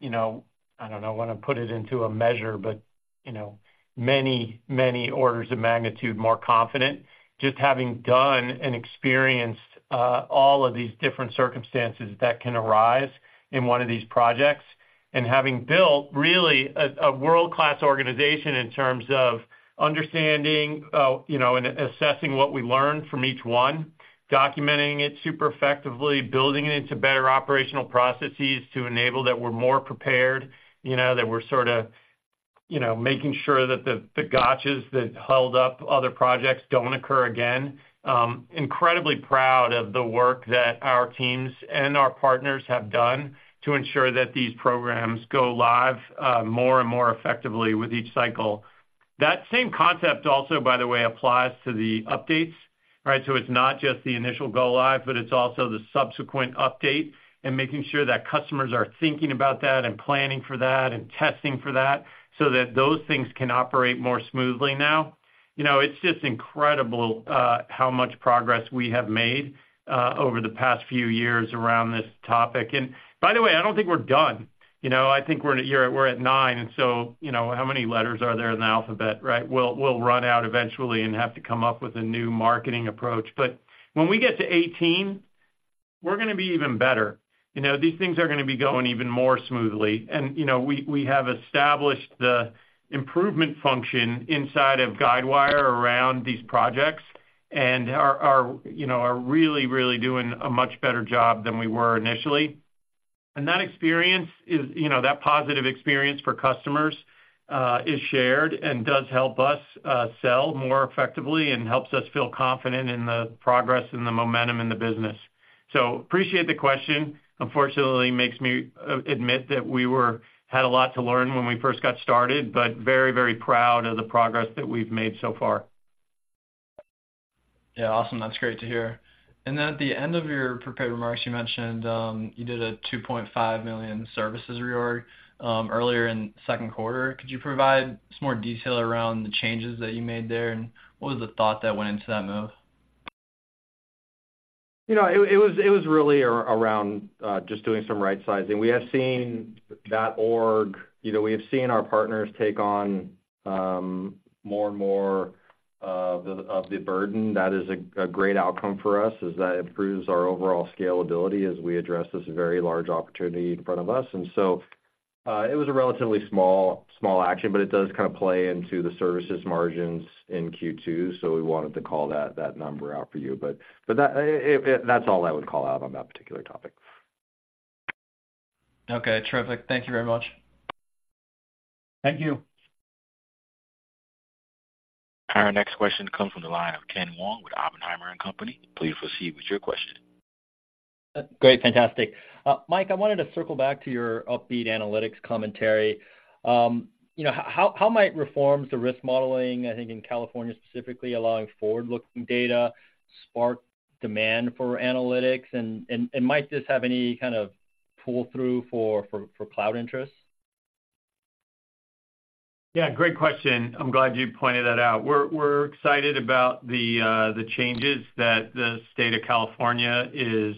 you know, I don't know, I wanna put it into a measure, but, you know, many, many orders of magnitude, more confident, just having done and experienced all of these different circumstances that can arise in one of these projects, and having built really a world-class organization in terms of understanding, you know, and assessing what we learned from each one, documenting it super effectively, building it into better operational processes to enable that we're more prepared, you know, that we're sorta, you know, making sure that the gotchas that held up other projects don't occur again. Incredibly proud of the work that our teams and our partners have done to ensure that these programs go live more and more effectively with each cycle. That same concept also, by the way, applies to the updates, right? So it's not just the initial go-live, but it's also the subsequent update and making sure that customers are thinking about that and planning for that and testing for that so that those things can operate more smoothly now. You know, it's just incredible, how much progress we have made over the past few years around this topic. And by the way, I don't think we're done. You know, I think we're at nine, and so, you know, how many letters are there in the alphabet, right? We'll run out eventually and have to come up with a new marketing approach. But when we get to 18, we're going to be even better. You know, these things are going to be going even more smoothly. You know, we have established the improvement function inside of Guidewire around these projects and are, you know, really, really doing a much better job than we were initially. That experience is, you know, that positive experience for customers is shared and does help us sell more effectively and helps us feel confident in the progress and the momentum in the business. Appreciate the question. Unfortunately, makes me admit that we had a lot to learn when we first got started, but very, very proud of the progress that we've made so far. Yeah, awesome. That's great to hear. And then at the end of your prepared remarks, you mentioned you did a $2.5 million services reorg earlier in the second quarter. Could you provide just more detail around the changes that you made there, and what was the thought that went into that move? You know, it was really around just doing some right-sizing. You know, we have seen our partners take on more and more of the burden. That is a great outcome for us, is that it improves our overall scalability as we address this very large opportunity in front of us. And so, it was a relatively small action, but it does kind of play into the services margins in Q2, so we wanted to call that number out for you. But that, that's all I would call out on that particular topic. Okay, terrific. Thank you very much. Thank you. Our next question comes from the line of Ken Wong with Oppenheimer & Company. Please proceed with your question. Great, fantastic. Mike, I wanted to circle back to your upbeat analytics commentary. You know, how might reforms to risk modeling, I think in California, specifically, allowing forward-looking data, spark demand for analytics? And might this have any kind of pull-through for cloud interest? Yeah, great question. I'm glad you pointed that out. We're, we're excited about the, the changes that the state of California is,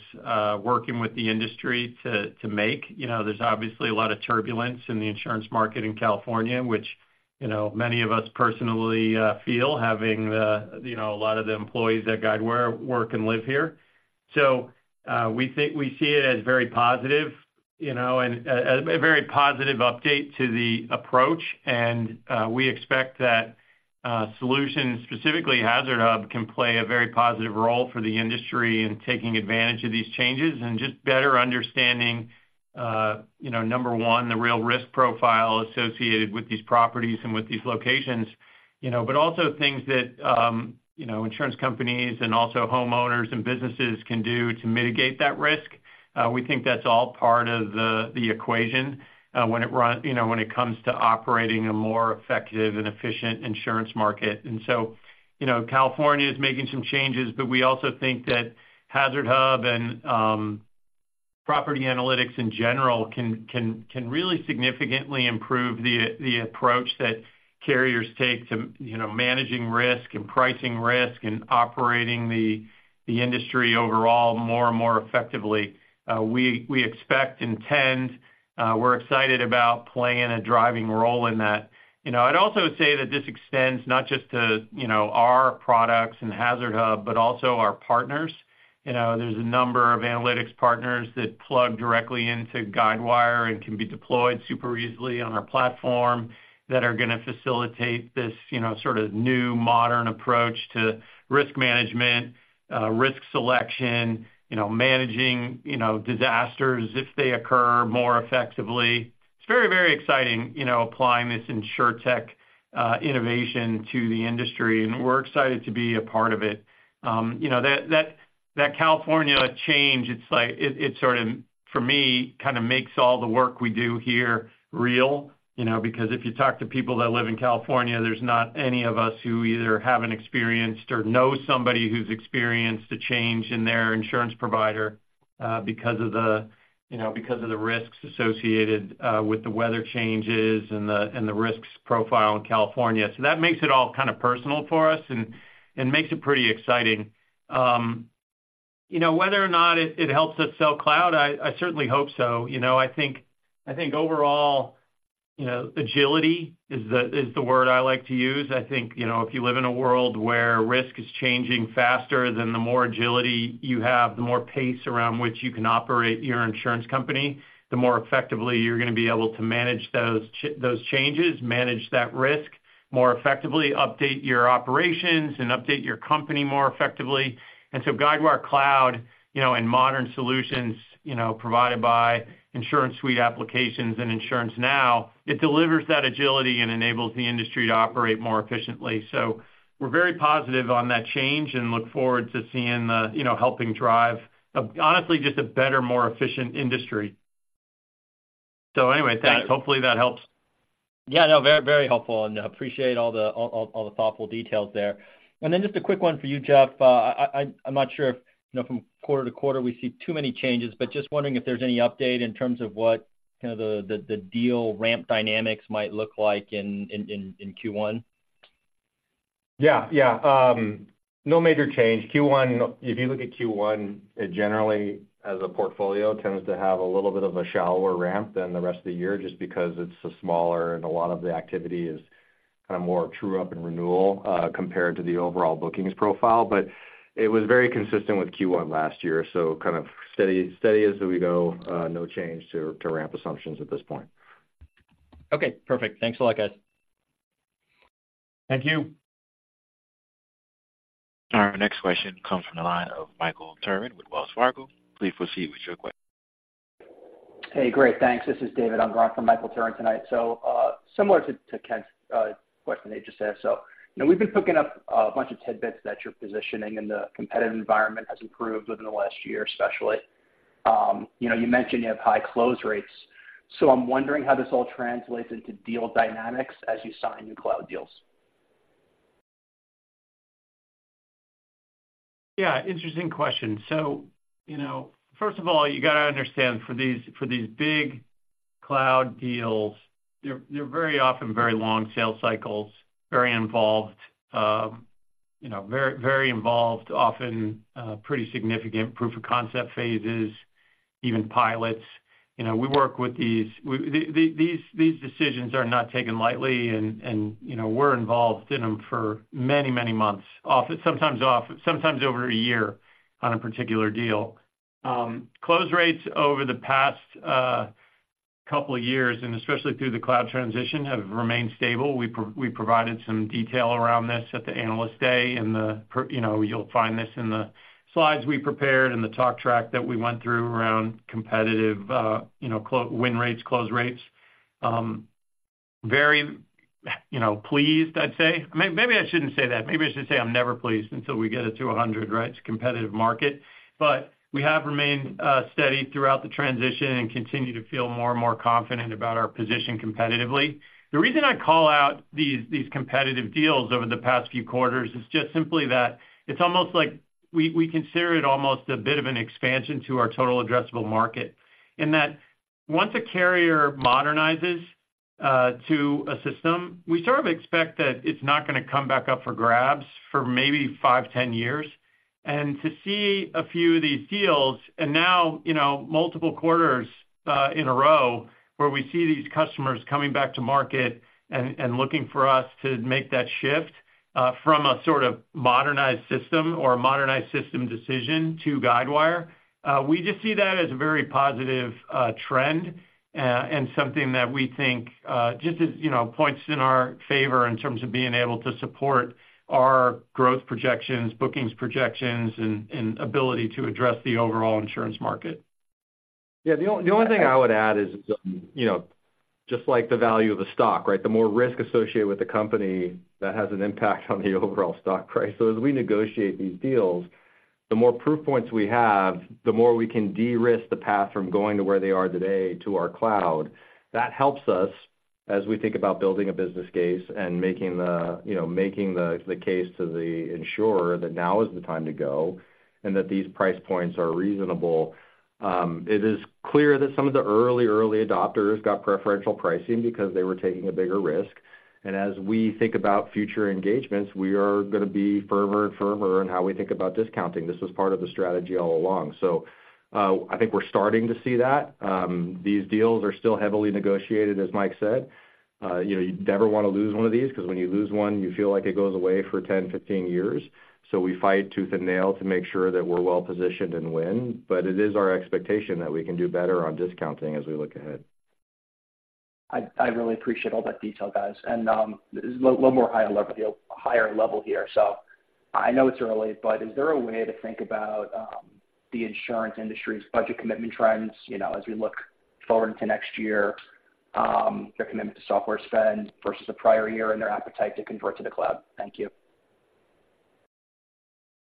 working with the industry to, to make. You know, there's obviously a lot of turbulence in the insurance market in California, which, you know, many of us personally, feel, having the, you know, a lot of the employees at Guidewire work and live here. So, we think, we see it as very positive, you know, and a, a very positive update to the approach. And, we expect that, solutions, specifically HazardHub, can play a very positive role for the industry in taking advantage of these changes and just better understanding, you know, number one, the real risk profile associated with these properties and with these locations. You know, but also things that, you know, insurance companies and also homeowners and businesses can do to mitigate that risk. We think that's all part of the equation when it comes to operating a more effective and efficient insurance market. And so, you know, California is making some changes, but we also think that HazardHub and property analytics in general can really significantly improve the approach that carriers take to, you know, managing risk and pricing risk and operating the industry overall more and more effectively. We expect, intend, we're excited about playing a driving role in that. You know, I'd also say that this extends not just to, you know, our products and HazardHub, but also our partners. You know, there's a number of analytics partners that plug directly into Guidewire and can be deployed super easily on our platform, that are going to facilitate this, you know, sort of new, modern approach to risk management, risk selection, you know, managing, you know, disasters, if they occur, more effectively. It's very, very exciting, you know, applying this InsurTech innovation to the industry, and we're excited to be a part of it. You know, that California change, it's like. It sort of, for me, kind of makes all the work we do here real, you know, because if you talk to people that live in California, there's not any of us who either haven't experienced or know somebody who's experienced a change in their insurance provider because of the, you know, because of the risks associated with the weather changes and the, and the risks profile in California. So that makes it all kind of personal for us and makes it pretty exciting. You know, whether or not it helps us sell cloud, I certainly hope so. You know, I think overall, you know, agility is the word I like to use. I think, you know, if you live in a world where risk is changing faster, then the more agility you have, the more pace around which you can operate your insurance company, the more effectively you're going to be able to manage those changes, manage that risk more effectively, update your operations and update your company more effectively. And so Guidewire Cloud, you know, and modern solutions, you know, provided by InsuranceSuite applications and InsuranceNow, it delivers that agility and enables the industry to operate more efficiently. So we're very positive on that change and look forward to seeing the, you know, helping drive, honestly, just a better, more efficient industry. So anyway, thanks. Hopefully, that helps. Yeah, no, very helpful, and appreciate all the thoughtful details there. And then just a quick one for you, Jeff. I'm not sure if, you know, from quarter to quarter, we see too many changes, but just wondering if there's any update in terms of what kind of the deal ramp dynamics might look like in Q1? Yeah. No major change. Q1, if you look at Q1, it generally, as a portfolio, tends to have a little bit of a shallower ramp than the rest of the year, just because it's so smaller and a lot of the activity is kind of more true-up and renewal, compared to the overall bookings profile. But it was very consistent with Q1 last year, so kind of steady, steady as we go, no change to ramp assumptions at this point. Okay, perfect. Thanks a lot, guys. Thank you. Our next question comes from the line of Michael Turrin with Wells Fargo. Please proceed with your question. Hey, great. Thanks. This is David Unger from Michael Turrin tonight. So, similar to, to Ken's question they just asked. So, you know, we've been picking up a bunch of tidbits that you're positioning in the competitive environment has improved within the last year, especially. You know, you mentioned you have high close rates. So I'm wondering how this all translates into deal dynamics as you sign new cloud deals. Yeah, interesting question. So, you know, first of all, you got to understand for these, for these big cloud deals, they're very often very long sales cycles, very involved, you know, very involved, often, pretty significant proof of concept phases, even pilots. You know, we work with these—these decisions are not taken lightly and, you know, we're involved in them for many, many months, often—sometimes off, sometimes over a year on a particular deal. Close rates over the past, couple of years, and especially through the cloud transition, have remained stable. We provided some detail around this at the Analyst Day, and you know, you'll find this in the slides we prepared and the talk track that we went through around competitive, you know, win rates, close rates. Very, you know, pleased, I'd say. Maybe I shouldn't say that. Maybe I should say I'm never pleased until we get it to 100, right? It's a competitive market. But we have remained steady throughout the transition and continue to feel more and more confident about our position competitively. The reason I call out these, these competitive deals over the past few quarters is just simply that it's almost like we, we consider it almost a bit of an expansion to our total addressable market. In that, once a carrier modernizes to a system, we sort of expect that it's not going to come back up for grabs for maybe five, 10 years. And to see a few of these deals, and now, you know, multiple quarters in a row, where we see these customers coming back to market and looking for us to make that shift from a sort of modernized system or a modernized system decision to Guidewire, we just see that as a very positive trend, and something that we think just as, you know, points in our favor in terms of being able to support our growth projections, bookings projections, and ability to address the overall insurance market. Yeah, the only thing I would add is, you know, just like the value of a stock, right? The more risk associated with the company, that has an impact on the overall stock price. So as we negotiate these deals, the more proof points we have, the more we can de-risk the path from going to where they are today to our cloud. That helps us as we think about building a business case and making the, you know, case to the insurer that now is the time to go, and that these price points are reasonable. It is clear that some of the early adopters got preferential pricing because they were taking a bigger risk. And as we think about future engagements, we are going to be firmer and firmer in how we think about discounting. This was part of the strategy all along. So, I think we're starting to see that. These deals are still heavily negotiated, as Mike said. You know, you never want to lose one of these, 'cause when you lose one, you feel like it goes away for 10, 15 years. So we fight tooth and nail to make sure that we're well-positioned and win. But it is our expectation that we can do better on discounting as we look ahead. I really appreciate all that detail, guys. A little more high level, higher level here. So I know it's early, but is there a way to think about the insurance industry's budget commitment trends, you know, as we look forward into next year, their commitment to software spend versus the prior year and their appetite to convert to the cloud? Thank you.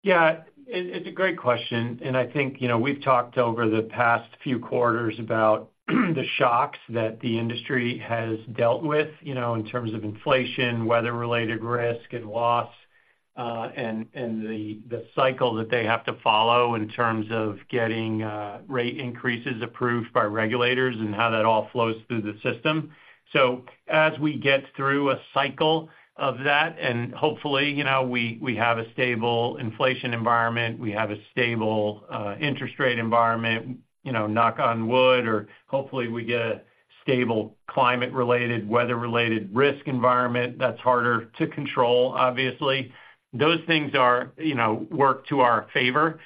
Yeah, it's a great question, and I think, you know, we've talked over the past few quarters about the shocks that the industry has dealt with, you know, in terms of inflation, weather-related risk and loss, and the cycle that they have to follow in terms of getting rate increases approved by regulators and how that all flows through the system. So as we get through a cycle of that, and hopefully, you know, we have a stable inflation environment, we have a stable interest rate environment, you know, knock on wood, or hopefully we get a stable climate-related, weather-related risk environment that's harder to control, obviously. Those things are, you know, work to our favor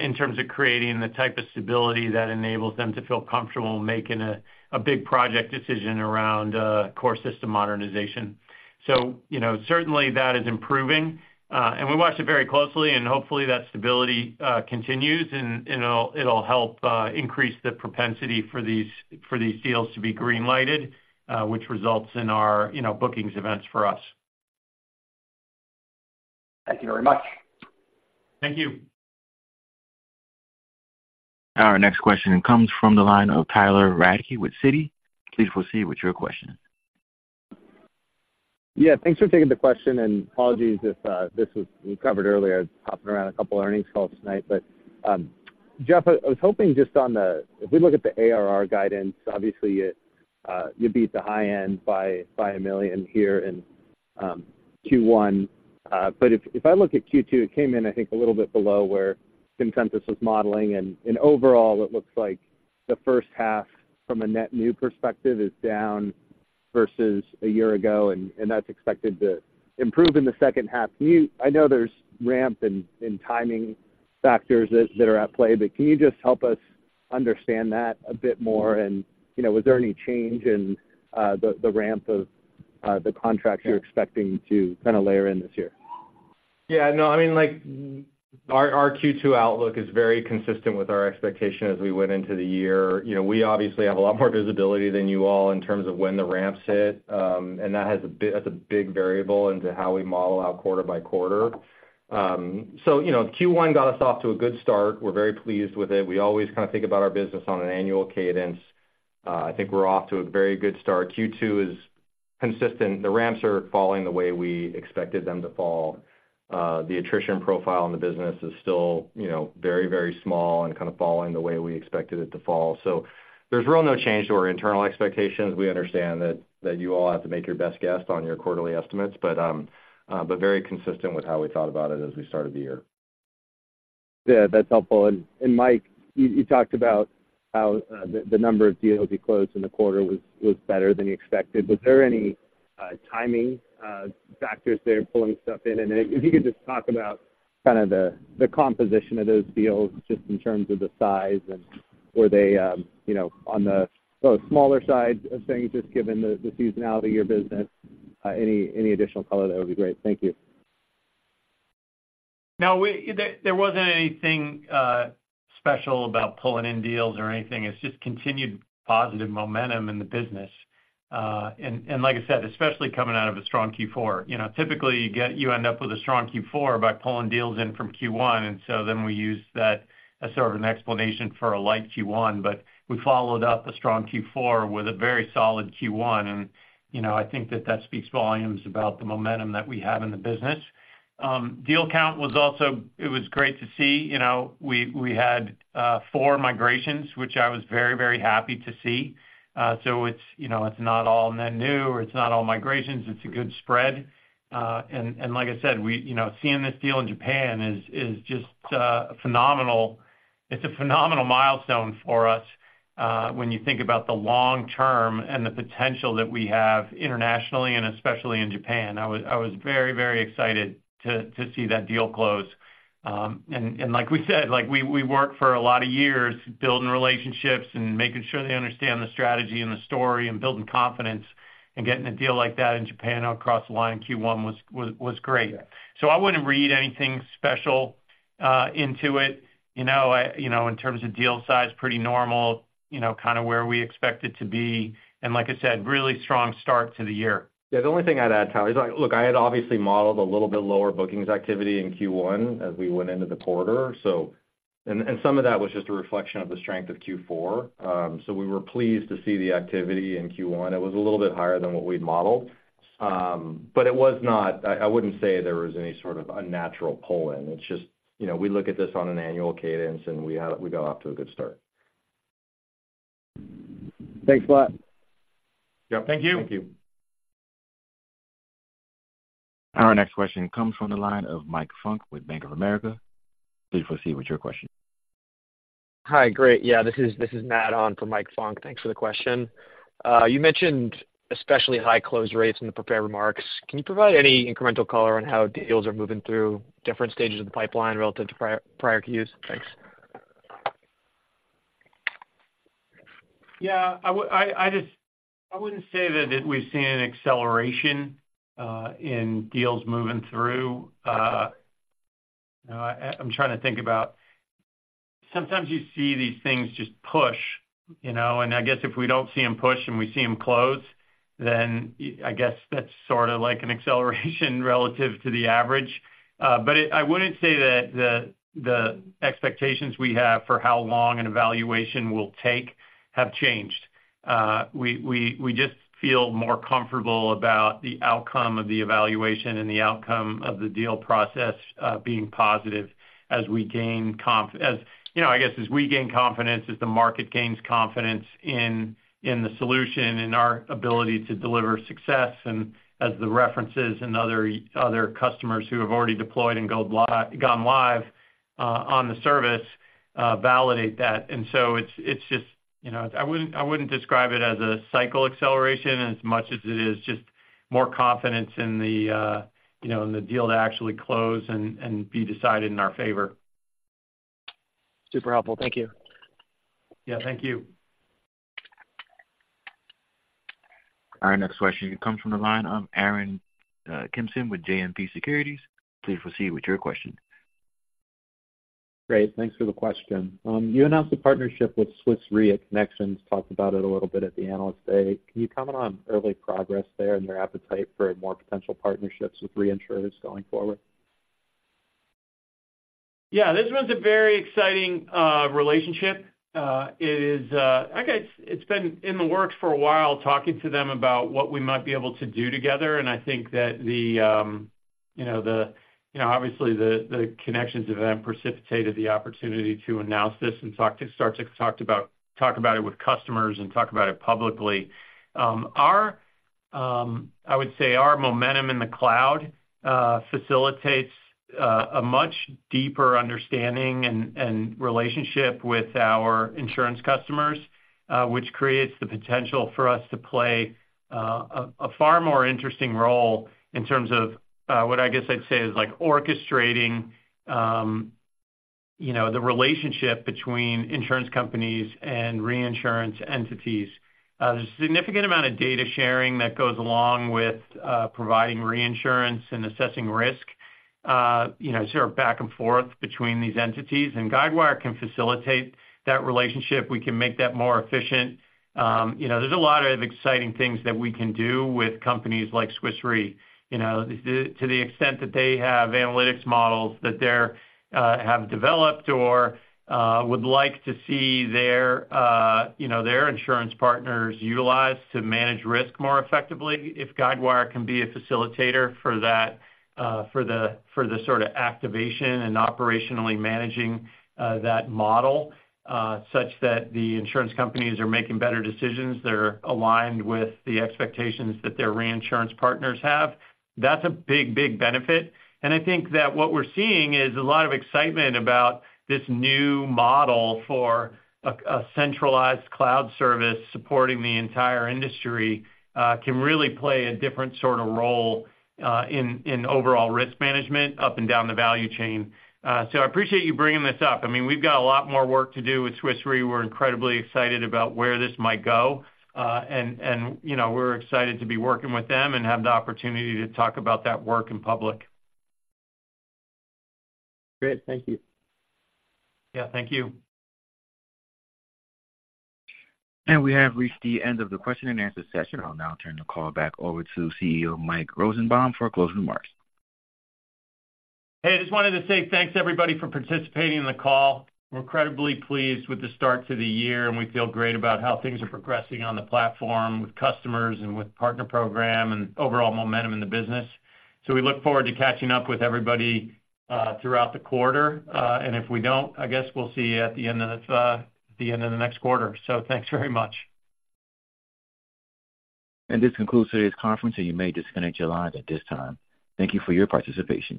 in terms of creating the type of stability that enables them to feel comfortable making a big project decision around core system modernization. So, you know, certainly, that is improving, and we watch it very closely, and hopefully, that stability continues and it'll help increase the propensity for these deals to be green lighted, which results in our, you know, bookings events for us. Thank you very much. Thank you. Our next question comes from the line of Tyler Radke with Citi. Please proceed with your question. Yeah, thanks for taking the question, and apologies if this was covered earlier. I was hopping around a couple earnings calls tonight. But, Jeff, I was hoping just on the—if we look at the ARR guidance, obviously, it you beat the high end by $1 million here in Q1. But if I look at Q2, it came in, I think, a little bit below where consensus was modeling, and overall, it looks like the first half from a net new perspective is down versus a year ago, and that's expected to improve in the second half. Can you—I know there's ramp and timing factors that are at play, but can you just help us understand that a bit more? You know, was there any change in the ramp of the contracts you're expecting to kind of layer in this year? Yeah, no, I mean, like, our Q2 outlook is very consistent with our expectation as we went into the year. You know, we obviously have a lot more visibility than you all in terms of when the ramps hit, and that has a big, that's a big variable into how we model out quarter by quarter. So, you know, Q1 got us off to a good start. We're very pleased with it. We always kind of think about our business on an annual cadence. I think we're off to a very good start. Q2 is consistent. The ramps are falling the way we expected them to fall. The attrition profile in the business is still, you know, very, very small and kind of falling the way we expected it to fall. So there's really no change to our internal expectations. We understand that you all have to make your best guess on your quarterly estimates, but very consistent with how we thought about it as we started the year. Yeah, that's helpful. And, Mike, you talked about how the number of deals you closed in the quarter was better than you expected. Was there any timing factors there pulling stuff in? And then, if you could just talk about kind of the composition of those deals, just in terms of the size and were they, you know, on the sort of smaller side of things, just given the seasonality of your business, any additional color, that would be great. Thank you. No, there wasn't anything special about pulling in deals or anything. It's just continued positive momentum in the business. And like I said, especially coming out of a strong Q4. You know, typically, you get... You end up with a strong Q4 by pulling deals in from Q1, and so then we use that as sort of an explanation for a light Q1. But we followed up a strong Q4 with a very solid Q1, and, you know, I think that that speaks volumes about the momentum that we have in the business. Deal count was also great to see. You know, we had 4 migrations, which I was very, very happy to see. So it's not all net new, or it's not all migrations, it's a good spread. And like I said, we, you know, seeing this deal in Japan is just phenomenal. It's a phenomenal milestone for us, when you think about the long term and the potential that we have internationally and especially in Japan. I was very, very excited to see that deal close. And like we said, like, we worked for a lot of years building relationships and making sure they understand the strategy and the story, and building confidence, and getting a deal like that in Japan across the line in Q1 was great. So I wouldn't read anything special into it, you know, in terms of deal size, pretty normal, you know, kind of where we expect it to be. And like I said, really strong start to the year. Yeah, the only thing I'd add, Tyler, is, look, I had obviously modeled a little bit lower bookings activity in Q1 as we went into the quarter. And some of that was just a reflection of the strength of Q4. So we were pleased to see the activity in Q1. It was a little bit higher than what we'd modeled, but it was not. I wouldn't say there was any sort of unnatural pull-in. It's just, you know, we look at this on an annual cadence, and we got off to a good start. Thanks a lot. Yeah. Thank you. Thank you. Our next question comes from the line of Mike Funk with Bank of America. Please proceed with your question. Hi. Great. Yeah, this is Matt on for Mike Funk. Thanks for the question. You mentioned especially high close rates in the prepared remarks. Can you provide any incremental color on how deals are moving through different stages of the pipeline relative to prior Qs? Thanks. Yeah, I would, I just... I wouldn't say that we've seen an acceleration in deals moving through. I'm trying to think about... Sometimes you see these things just push, you know, and I guess if we don't see them push and we see them close, then I guess that's sort of like an acceleration relative to the average. But it, I wouldn't say that the expectations we have for how long an evaluation will take have changed. We just feel more comfortable about the outcome of the evaluation and the outcome of the deal process being positive as we gain confidence, as, you know, I guess as we gain confidence, as the market gains confidence in the solution and our ability to deliver success, and as the references and other customers who have already deployed and gone live on the service validate that. So it's just, you know, I wouldn't describe it as a cycle acceleration, as much as it is just more confidence in the deal to actually close and be decided in our favor. Super helpful. Thank you. Yeah, thank you. Our next question comes from the line of Aaron Kimson with JMP Securities. Please proceed with your question. Great. Thanks for the question. You announced a partnership with Swiss Re at Connections, talked about it a little bit at the Analyst Day. Can you comment on early progress there and your appetite for more potential partnerships with reinsurers going forward? Yeah, this one's a very exciting relationship. It is, I guess it's been in the works for a while, talking to them about what we might be able to do together, and I think that the, you know, the, you know, obviously, the Connections event precipitated the opportunity to announce this and talk about it with customers and talk about it publicly. Our, I would say, our momentum in the cloud facilitates a much deeper understanding and relationship with our insurance customers, which creates the potential for us to play a far more interesting role in terms of what I guess I'd say is like orchestrating, you know, the relationship between insurance companies and reinsurance entities. There's a significant amount of data sharing that goes along with providing reinsurance and assessing risk, you know, sort of back and forth between these entities, and Guidewire can facilitate that relationship. We can make that more efficient. You know, there's a lot of exciting things that we can do with companies like Swiss Re, you know. To the extent that they have analytics models that they've developed or would like to see their, you know, their insurance partners utilize to manage risk more effectively, if Guidewire can be a facilitator for that, for the sort of activation and operationally managing that model, such that the insurance companies are making better decisions that are aligned with the expectations that their reinsurance partners have, that's a big, big benefit. I think that what we're seeing is a lot of excitement about this new model for a centralized cloud service supporting the entire industry, can really play a different sort of role in overall risk management up and down the value chain. So I appreciate you bringing this up. I mean, we've got a lot more work to do with Swiss Re. We're incredibly excited about where this might go. And you know, we're excited to be working with them and have the opportunity to talk about that work in public. Great. Thank you. Yeah, thank you. We have reached the end of the question and answer session. I'll now turn the call back over to CEO Mike Rosenbaum for closing remarks. Hey, I just wanted to say thanks to everybody for participating in the call. We're incredibly pleased with the start to the year, and we feel great about how things are progressing on the platform with customers and with partner program and overall momentum in the business. So we look forward to catching up with everybody throughout the quarter. And if we don't, I guess we'll see you at the end of the next quarter. So thanks very much. This concludes today's conference, and you may disconnect your lines at this time. Thank you for your participation.